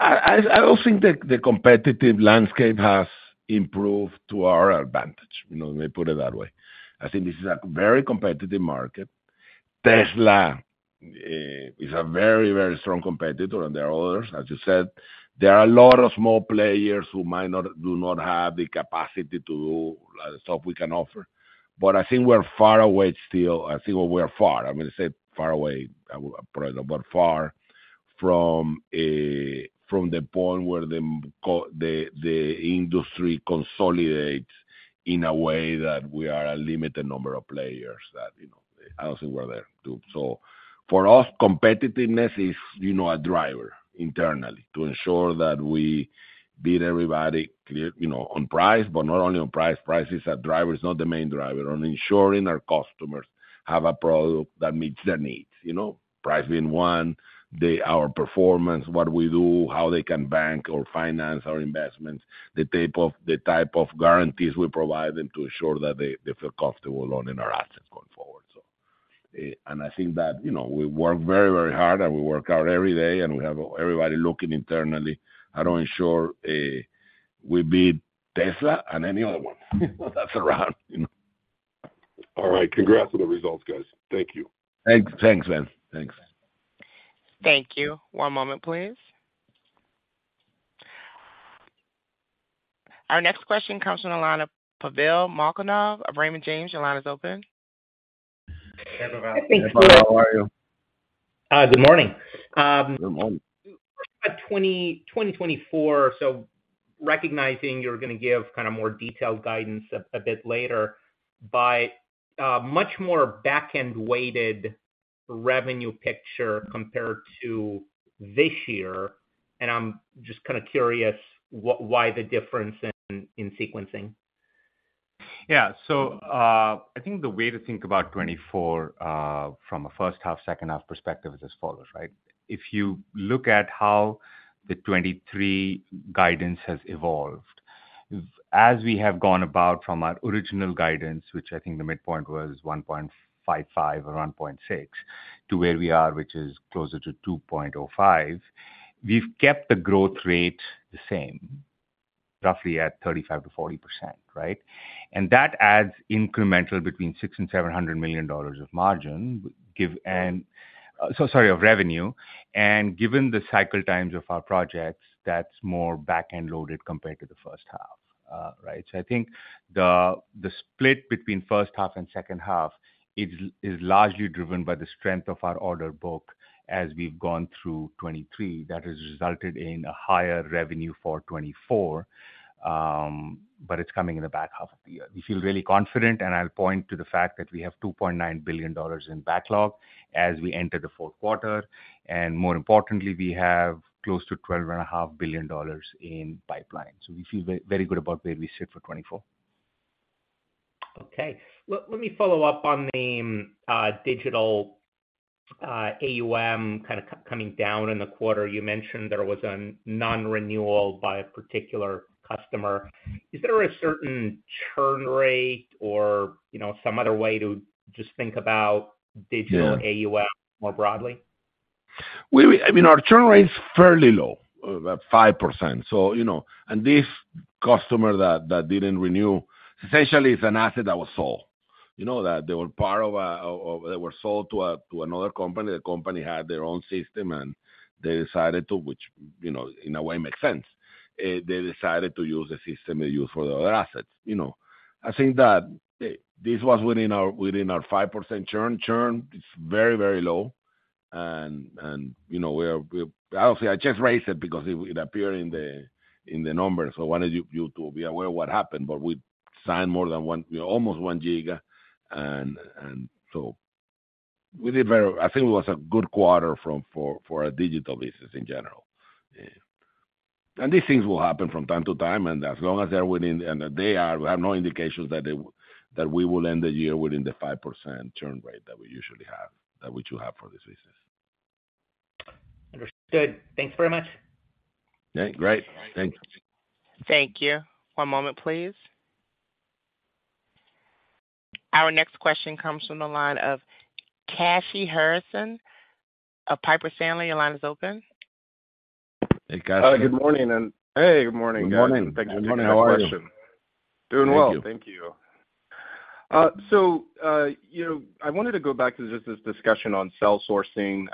I don't think the, the competitive landscape has improved to our advantage. You know, let me put it that way. I think this is a very competitive market. Tesla is a very, very strong competitor, and there are others, as you said. There are a lot of small players who do not have the capacity to do a lot of the stuff we can offer. I think we're far away still. I think we're far, I'm gonna say far away, but far from a, from the point where the industry consolidates in a way that we are a limited number of players, that, you know, I don't think we're there too. For us, competitiveness is, you know, a driver internally, to ensure that we beat everybody, clear, you know, on price, but not only on price. Price is a driver, it's not the main driver. On ensuring our customers have a product that meets their needs, you know? Price being one, our performance, what we do, how they can bank or finance our investments, the type of, the type of guarantees we provide them to ensure that they, they feel comfortable owning our assets going forward. I think that, you know, we work very, very hard, and we work hard every day, and we have everybody looking internally how to ensure, we beat Tesla and any other one, that's around, you know. All right. Congrats on the results, guys. Thank you. Thank, thanks, Ben. Thanks. Thank you. One moment, please. Our next question comes from the line of Pavel Molchanov of Raymond James. Your line is open. Hey, Pavel. How are you? Good morning, Good morning. 2024. Recognizing you're gonna give kind of more detailed guidance a bit later, but much more back-end weighted revenue picture compared to this year, and I'm just kind of curious, what why the difference in sequencing? Yeah. I think the way to think about 2024, from a first half, second half perspective, is as follows, right? If you look at how the 2023 guidance has evolved, as we have gone about from our original guidance, which I think the midpoint was $1.55 or $1.6, to where we are, which is closer to $2.05, we've kept the growth rate the same, roughly at 35%-40%, right? That adds incremental between $600 million to $700 million of margin, give and, so sorry, of revenue, and given the cycle times of our projects, that's more back-end loaded compared to the first half, right? I think the, the split between first half and second half is, is largely driven by the strength of our order book as we've gone through 2023. That has resulted in a higher revenue for 2024. It's coming in the back half of the year. We feel really confident, and I'll point to the fact that we have $2.9 billion in backlog as we enter the fourth quarter, and more importantly, we have close to $12.5 billion in pipeline. We feel very good about where we sit for 2024. Okay. Let, let me follow up on the digital AUM kind of coming down in the quarter. You mentioned there was a non-renewal by a particular customer. Is there a certain churn rate or, you know, some other way to just think about digital- Yeah AUM more broadly? I mean, our churn rate is fairly low, about 5%. You know, this customer that, that didn't renew, essentially is an asset that was sold. You know, that they were part of a, they were sold to a, to another company. The company had their own system, they decided to, which, you know, in a way makes sense. They decided to use the system they use for the other assets, you know? I think that, this was within our, within our 5% churn. Churn is very, very low, you know, Obviously, I just raised it because it, it appeared in the, in the numbers, I wanted you to be aware of what happened. We signed more than 1, almost 1 giga, and so we did very. I think it was a good quarter from, for, for a digital business in general. These things will happen from time to time, and as long as they're within, and they are, we have no indications that they that we will end the year within the 5% churn rate that we usually have, that we too have for this business. Understood. Thanks very much. Yeah, great. Thank you. Thank you. One moment, please. Our next question comes from the line of Kashy Harrison of Piper Sandler. Your line is open. Hey, Cassie. Good morning, and hey, good morning, guys. Good morning. How are you? Doing well. Thank you. Thank you. You know, I wanted to go back to just this discussion on cell sourcing.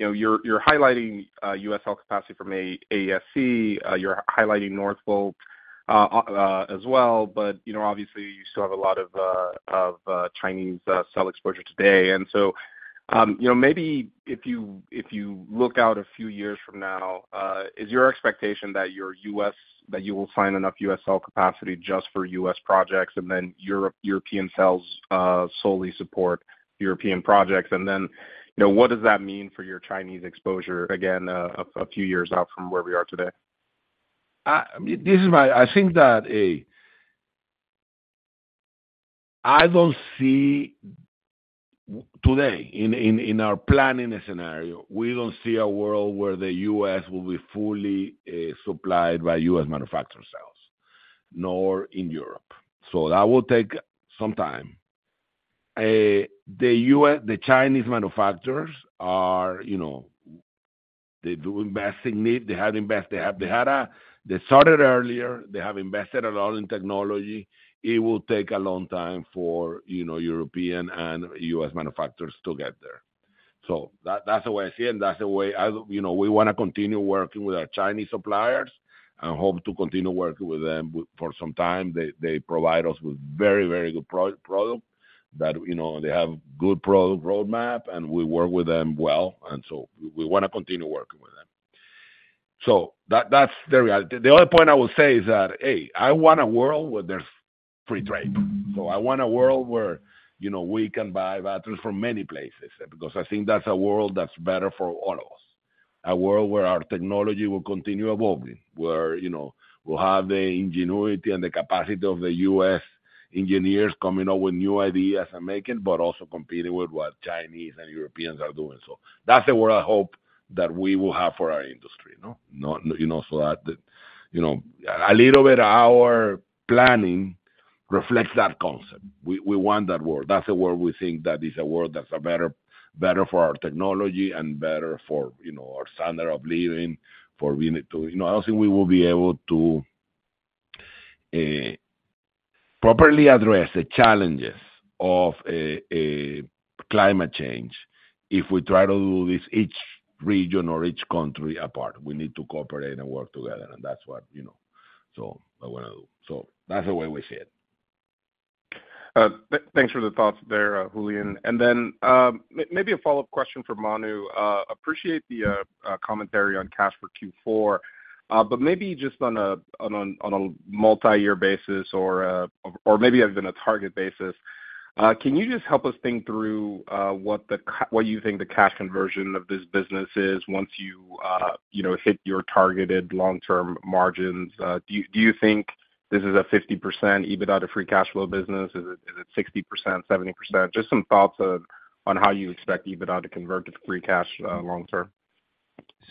You know, you're, you're highlighting U.S. cell capacity from AESC, you're highlighting Northvolt as well. You know, obviously, you still have a lot of Chinese cell exposure today. You know, maybe if you, if you look out a few years from now, is your expectation that your U.S. that you will sign enough U.S. cell capacity just for U.S. projects, and then European cells solely support European projects? You know, what does that mean for your Chinese exposure, again, a few years out from where we are today? This is I think that, I don't see today, in, in, in our planning scenario, we don't see a world where the U.S. will be fully supplied by U.S. manufacturer cells, nor in Europe. That will take some time. The U.S., the Chinese manufacturers are, you know, they do investing need. They have invest, they had, they started earlier, they have invested a lot in technology. It will take a long time for, you know, European and U.S. manufacturers to get there. That, that's the way I see it, and that's the way you know, we wanna continue working with our Chinese suppliers, and hope to continue working with them for some time. They, they provide us with very, very good product that, you know, they have good product roadmap, and we work with them well, and so we, we wanna continue working with them. That, that's the reality. The other point I will say is that, hey, I want a world where there's free trade. I want a world where, you know, we can buy batteries from many places, because I think that's a world that's better for all of us. A world where our technology will continue evolving, where, you know, we'll have the ingenuity and the capacity of the U.S. engineers coming up with new ideas and making, but also competing with what Chinese and Europeans are doing. That's the world I hope that we will have for our industry, no? Not, you know, so that, you know, a little bit our planning reflects that concept. We, we want that world. That's a world we think that is a world that's a better, better for our technology and better for, you know, our standard of living, for we need to. You know, I don't think we will be able to, properly address the challenges of, climate change if we try to do this, each region or each country apart. We need to cooperate and work together, that's what, you know, so I wanna do. That's the way we see it. Thanks for the thoughts there, Julian. Then, maybe a follow-up question for Manu. Appreciate the commentary on cash for Q4. Maybe just on a multi-year basis or maybe even a target basis, can you just help us think through what you think the cash conversion of this business is once you, you know, hit your targeted long-term margins? Do you think this is a 50% EBITDA to free cash flow business? Is it 60%, 70%? Just some thoughts on how you expect EBITDA to convert to free cash long term.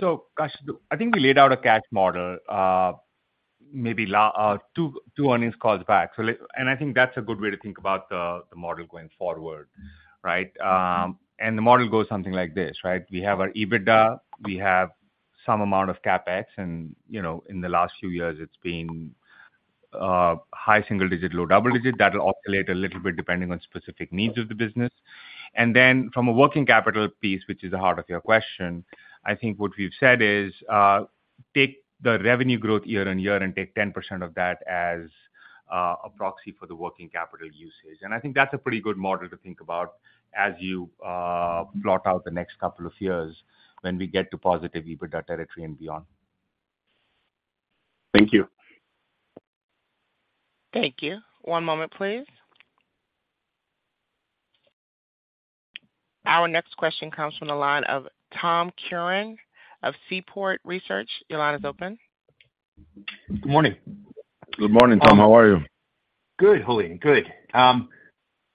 I think we laid out a cash model, maybe 2, 2 earnings calls back. I think that's a good way to think about the, the model going forward, right? The model goes something like this, right? We have our EBITDA, we have some amount of CapEx, and, you know, in the last few years, it's been high single digit, low double digit. That'll oscillate a little bit depending on specific needs of the business. From a working capital piece, which is the heart of your question, I think what we've said is, take the revenue growth year-over-year and take 10% of that as a proxy for the working capital usage. I think that's a pretty good model to think about as you plot out the next couple of years when we get to positive EBITDA territory and beyond. Thank you. Thank you. One moment, please. Our next question comes from the line of Tom Curran of Seaport Research. Your line is open. Good morning. Good morning, Tom. How are you? Good, Julian. Good.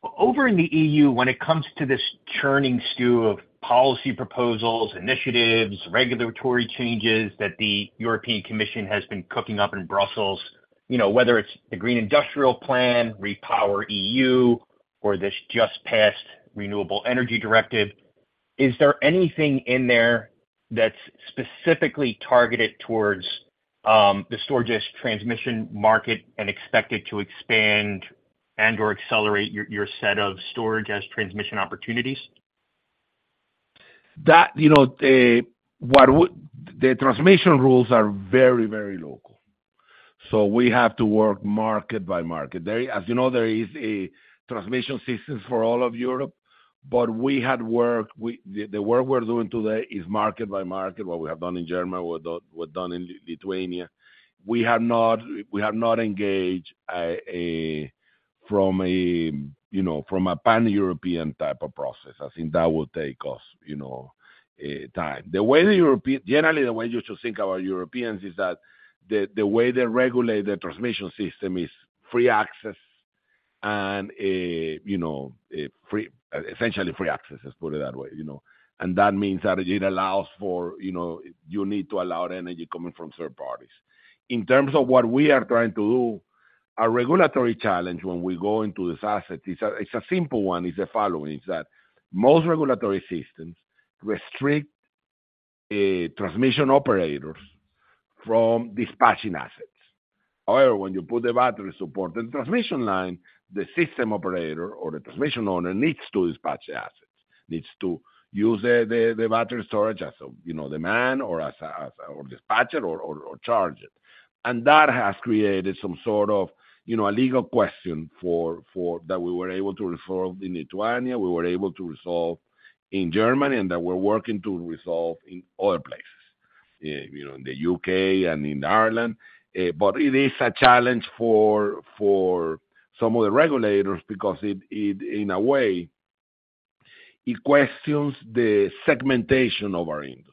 Over in the E.U., when it comes to this churning stew of policy proposals, initiatives, regulatory changes that the European Commission has been cooking up in Brussels, you know, whether it's the Green Deal Industrial Plan, REPowerEU, or this just passed Renewable Energy Directive, is there anything in there that's specifically targeted towards the storage as transmission market and expected to expand and/or accelerate your, your set of storage as transmission opportunities? That, you know, the transmission rules are very, very local. We have to work market by market. There, as you know, there is a transmission system for all of Europe, but we had worked, the work we're doing today is market by market, what we have done in Germany, what do, what done in Lithuania. We have not, we have not engaged from a, you know, from a pan-European type of process. I think that will take us, you know, time. The way generally, the way you should think about Europeans is that the, the way they regulate the transmission system is free access and, you know, essentially free access, let's put it that way, you know. That means that it allows for, you know, you need to allow energy coming from third parties. In terms of what we are trying to do, our regulatory challenge when we go into this asset it's a simple one, is the following: Is that most regulatory systems restrict transmission operators from dispatching assets. However, when you put the battery support, the transmission line, the system operator or the transmission owner needs to dispatch the assets, needs to use the battery storage as a, you know, demand or as or dispatch it or charge it. That has created some sort of, you know, a legal question for that we were able to resolve in Lithuania, we were able to resolve in Germany, and that we're working to resolve in other places, you know, in the U.K. and in Ireland. It is a challenge for, for some of the regulators because it, it, in a way, it questions the segmentation of our industry.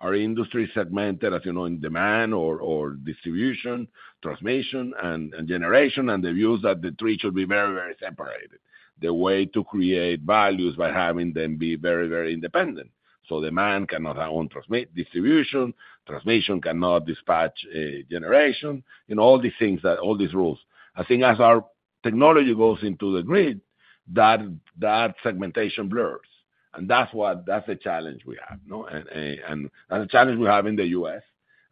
Our industry is segmented, as you know, in demand or, or distribution, transmission, and, and generation, and the views that the three should be very, very separated. The way to create value is by having them be very, very independent. Demand cannot have own transmit- distribution, transmission cannot dispatch, generation, you know, all these things that, all these rules. I think as our technology goes into the grid, that, that segmentation blurs, and that's a challenge we have, you know? A challenge we have in the U.S.,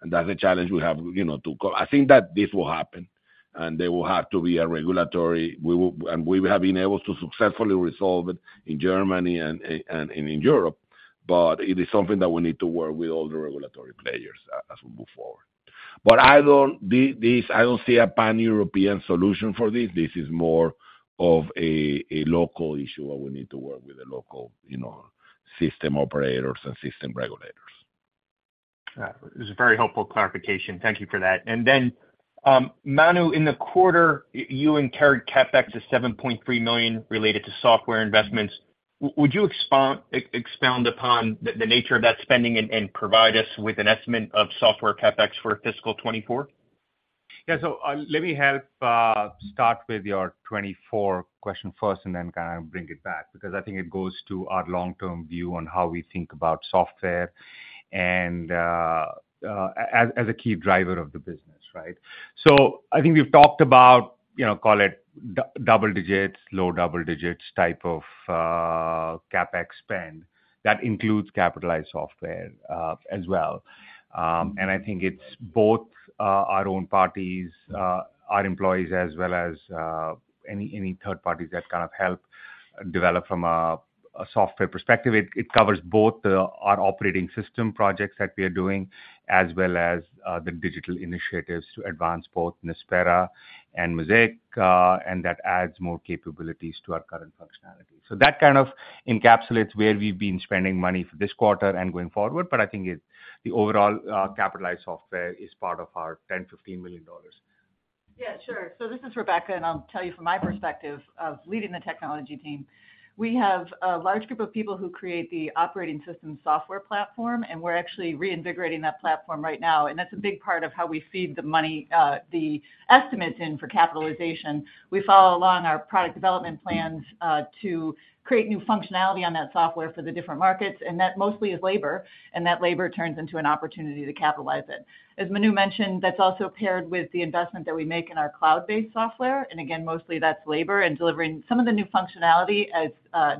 and that's a challenge we have, you know, I think that this will happen, and there will have to be a regulatory. We have been able to successfully resolve it in Germany and, and, and in Europe, but it is something that we need to work with all the regulatory players as we move forward. I don't see a pan-European solution for this. This is more of a local issue, where we need to work with the local, you know, system operators and system regulators. This is a very helpful clarification. Thank you for that. Then, Manu, in the quarter, you incurred CapEx of $7.3 million related to software investments. Would you expound upon the nature of that spending and provide us with an estimate of software CapEx for fiscal 2024? Yeah. Let me help start with your 24 question first, and then kind of bring it back, because I think it goes to our long-term view on how we think about software and, as a key driver of the business, right? I think we've talked about, you know, call it double digits, low double digits type of CapEx spend. That includes capitalized software as well. I think it's both our own parties, our employees, as well as any third parties that kind of help develop from a software perspective. It covers both our operating system projects that we are doing, as well as the digital initiatives to advance both Nispera and Mosaic, and that adds more capabilities to our current functionality. That kind of encapsulates where we've been spending money for this quarter and going forward, but I think it's the overall capitalized software is part of our $10 million to $15 million. Yeah, sure. This is Rebecca, and I'll tell you from my perspective of leading the technology team. We have a large group of people who create the operating system software platform, and we're actually reinvigorating that platform right now, and that's a big part of how we feed the money, the estimates in for capitalization. We follow along our product development plans to create new functionality on that software for the different markets, and that mostly is labor, and that labor turns into an opportunity to capitalize it. As Manu Sial mentioned, that's also paired with the investment that we make in our cloud-based software, and again, mostly that's labor and delivering some of the new functionality as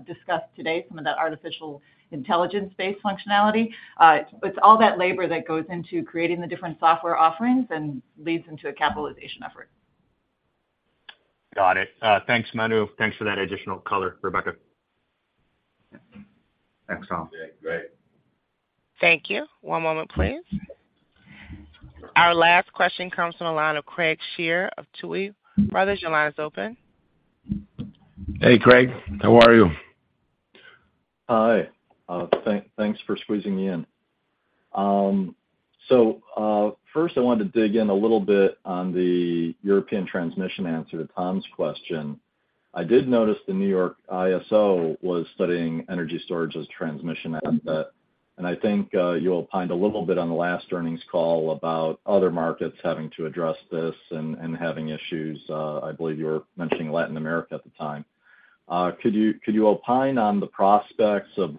discussed today, some of that artificial intelligence-based functionality. It's all that labor that goes into creating the different software offerings and leads into a capitalization effort. Got it. Thanks, Manu. Thanks for that additional color, Rebecca. Yeah. Excellent. Yeah, great. Thank you. One moment, please. Our last question comes from the line of Craig Shere of Tuohy Brothers. Your line is open. Hey, Craig. How are you? Hi. Thank, thanks for squeezing me in. First, I wanted to dig in a little bit on the European transmission answer to Tom's question. I did notice the New York ISO was studying energy storage as a transmission asset, and I think you opined a little bit on the last earnings call about other markets having to address this and, and having issues, I believe you were mentioning Latin America at the time. Could you, could you opine on the prospects of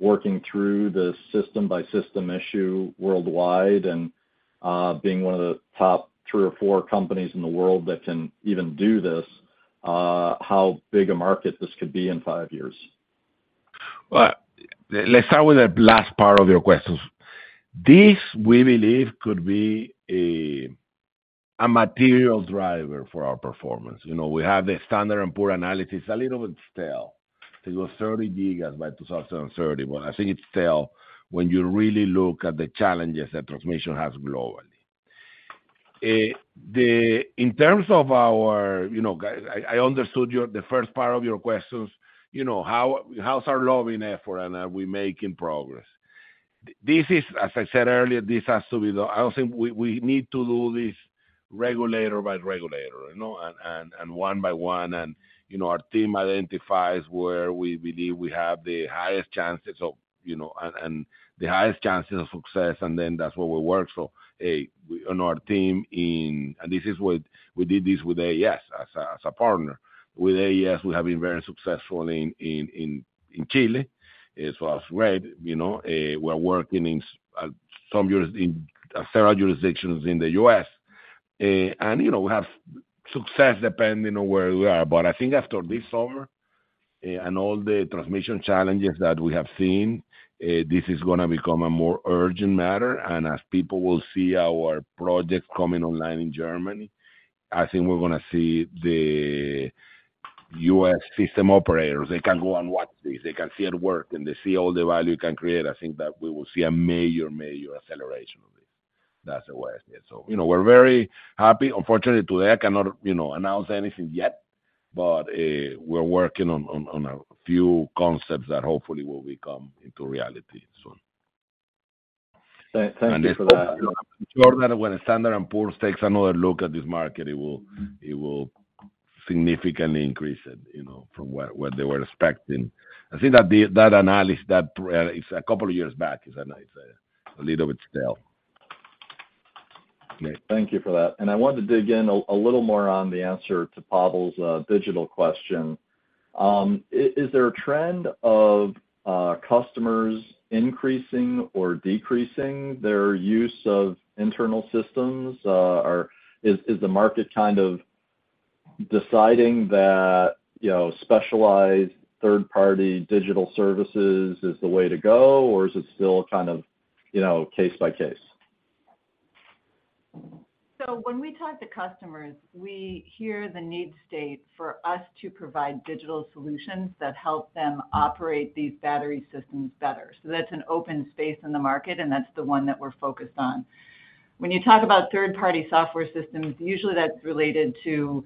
working through this system-by-system issue worldwide and being one of the top three or four companies in the world that can even do this, how big a market this could be in five years? Well, let's start with the last part of your questions. This, we believe, could be a material driver for our performance. You know, we have the Standard and Poor analysis, a little bit stale. I think it was 30 gigas by 2030, but I think it's stale when you really look at the challenges that transmission has globally. In terms of our, you know, I understood your, the first part of your questions, you know, how's our lobbying effort, and are we making progress? This is, as I said earlier, this has to be I don't think we, we need to do this regulator by regulator, you know, and, and, and one by one, and, you know, our team identifies where we believe we have the highest chances of, you know, and, and the highest chances of success, and then that's where we work. We, on our team and this is what, we did this with AES as a, as a partner. With AES, we have been very successful in, in, in, in Chile, as well as Spain, you know. We're working in, in several jurisdictions in the U.S. You know, we have success depending on where we are. I think after this summer, and all the transmission challenges that we have seen, this is gonna become a more urgent matter. As people will see our projects coming online in Germany, I think we're gonna see the U.S. system operators, they can go and watch this. They can see it work, and they see all the value it can create. I think that we will see a major, major acceleration of this. That's the way I see it. You know, we're very happy. Unfortunately, today, I cannot, you know, announce anything yet, but we're working on a few concepts that hopefully will become into reality soon. Thank you for that. I'm sure that when S&P Global Ratings's takes another look at this market, it will, it will significantly increase it, you know, from what, what they were expecting. I think that the, that analysis, that it's a couple of years back. It's a, it's a little bit stale. Thank you for that. I wanted to dig in a little more on the answer to Pavel Molchanov's digital question. Is there a trend of customers increasing or decreasing their use of internal systems? Or is the market kind of deciding that, you know, specialized third-party digital services is the way to go, or is it still kind of, you know, case by case? When we talk to customers, we hear the need state for us to provide digital solutions that help them operate these battery systems better. That's an open space in the market, and that's the one that we're focused on. When you talk about third-party software systems, usually that's related to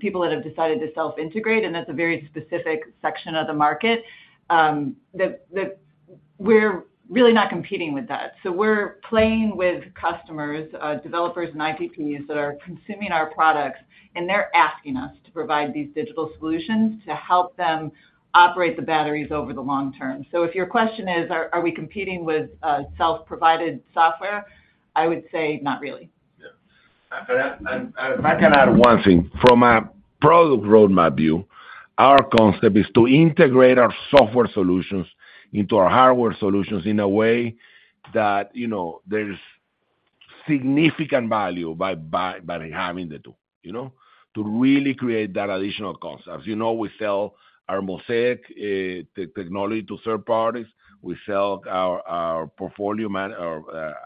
people that have decided to self-integrate, and that's a very specific section of the market. We're really not competing with that. We're playing with customers, developers, and IPPs that are consuming our products, and they're asking us to provide these digital solutions to help them operate the batteries over the long term. If your question is, are, are we competing with self-provided software? I would say not really. Yeah. If I can add one thing. From a product roadmap view, our concept is to integrate our software solutions into our hardware solutions in a way that, you know, there's significant value by having the two, you know? To really create that additional concept. As you know, we sell our Mosaic technology to third parties. We sell our portfolio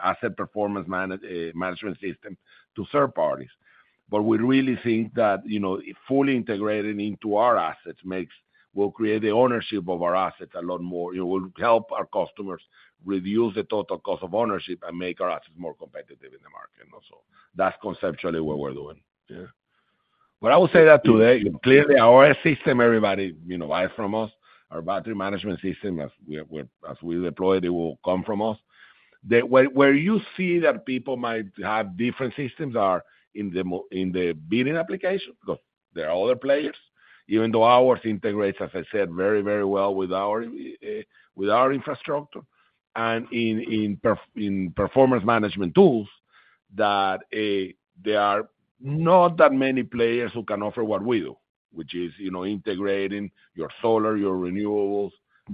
asset performance management system to third parties. We really think that, you know, fully integrating into our assets will create the ownership of our assets a lot more. It will help our customers reduce the total cost of ownership and make our assets more competitive in the market, that's conceptually what we're doing. Yeah. I would say that today, clearly, our system, everybody, you know, buy from us, our battery management system, as we deploy, they will come from us. Where, where you see that people might have different systems are in the bidding application, because there are other players, even though ours integrates, as I said, very, very well with our infrastructure and in performance management tools, that there are not that many players who can offer what we do, which is, you know, integrating your solar, your renewables,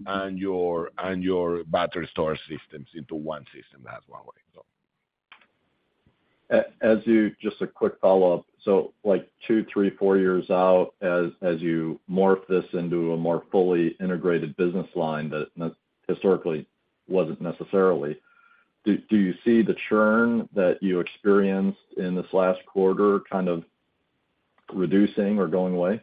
and your, and your battery storage systems into one system. That's one way, so. As you. Just a quick follow-up. Like, two, three, four years out, as you morph this into a more fully integrated business line that historically wasn't necessarily, do you see the churn that you experienced in this last quarter kind of reducing or going away?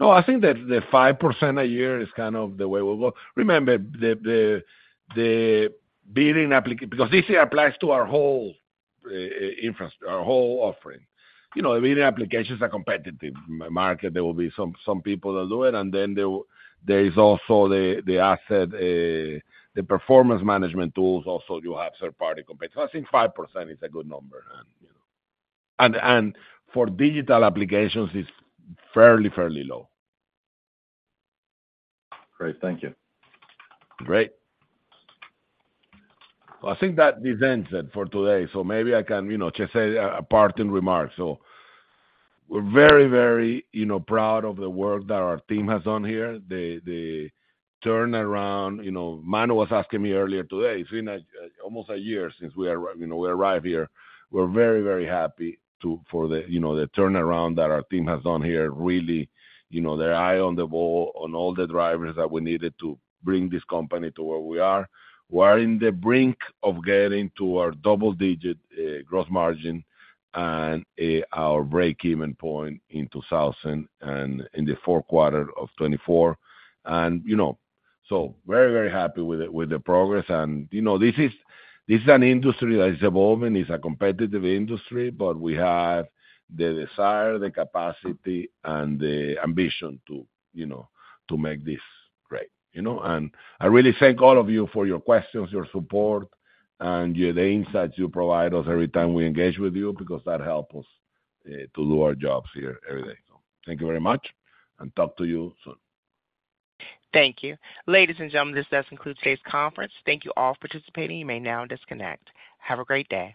No, I think that the 5% a year is kind of the way we'll go. Remember, because this here applies to our whole offering. You know, bidding applications are competitive. In the market, there will be some, some people that do it, and then there is also the, the asset, the performance management tools also you have third-party competitors. I think 5% is a good number, and, you know. For digital applications, it's fairly, fairly low. Great. Thank you. Great. Well, I think that this ends it for today, so maybe I can, you know, just say a parting remarks. We're very, very, you know, proud of the work that our team has done here. The, the turnaround, you know, Manu Sial was asking me earlier today, it's been almost a year since we, you know, we arrived here. We're very, very happy for the, you know, the turnaround that our team has done here, really, you know, their eye on the ball, on all the drivers that we needed to bring this company to where we are. We're in the brink of getting to our double-digit gross margin and our break-even point in the fourth quarter of 2024. You know, very, very happy with the, with the progress. You know, this is, this is an industry that is evolving. It's a competitive industry, but we have the desire, the capacity, and the ambition to, you know, to make this great. You know, I really thank all of you for your questions, your support, and the insights you provide us every time we engage with you, because that helps us to do our jobs here every day. Thank you very much, and talk to you soon. Thank you. Ladies and gentlemen, this does conclude today's conference. Thank you all for participating. You may now disconnect. Have a great day.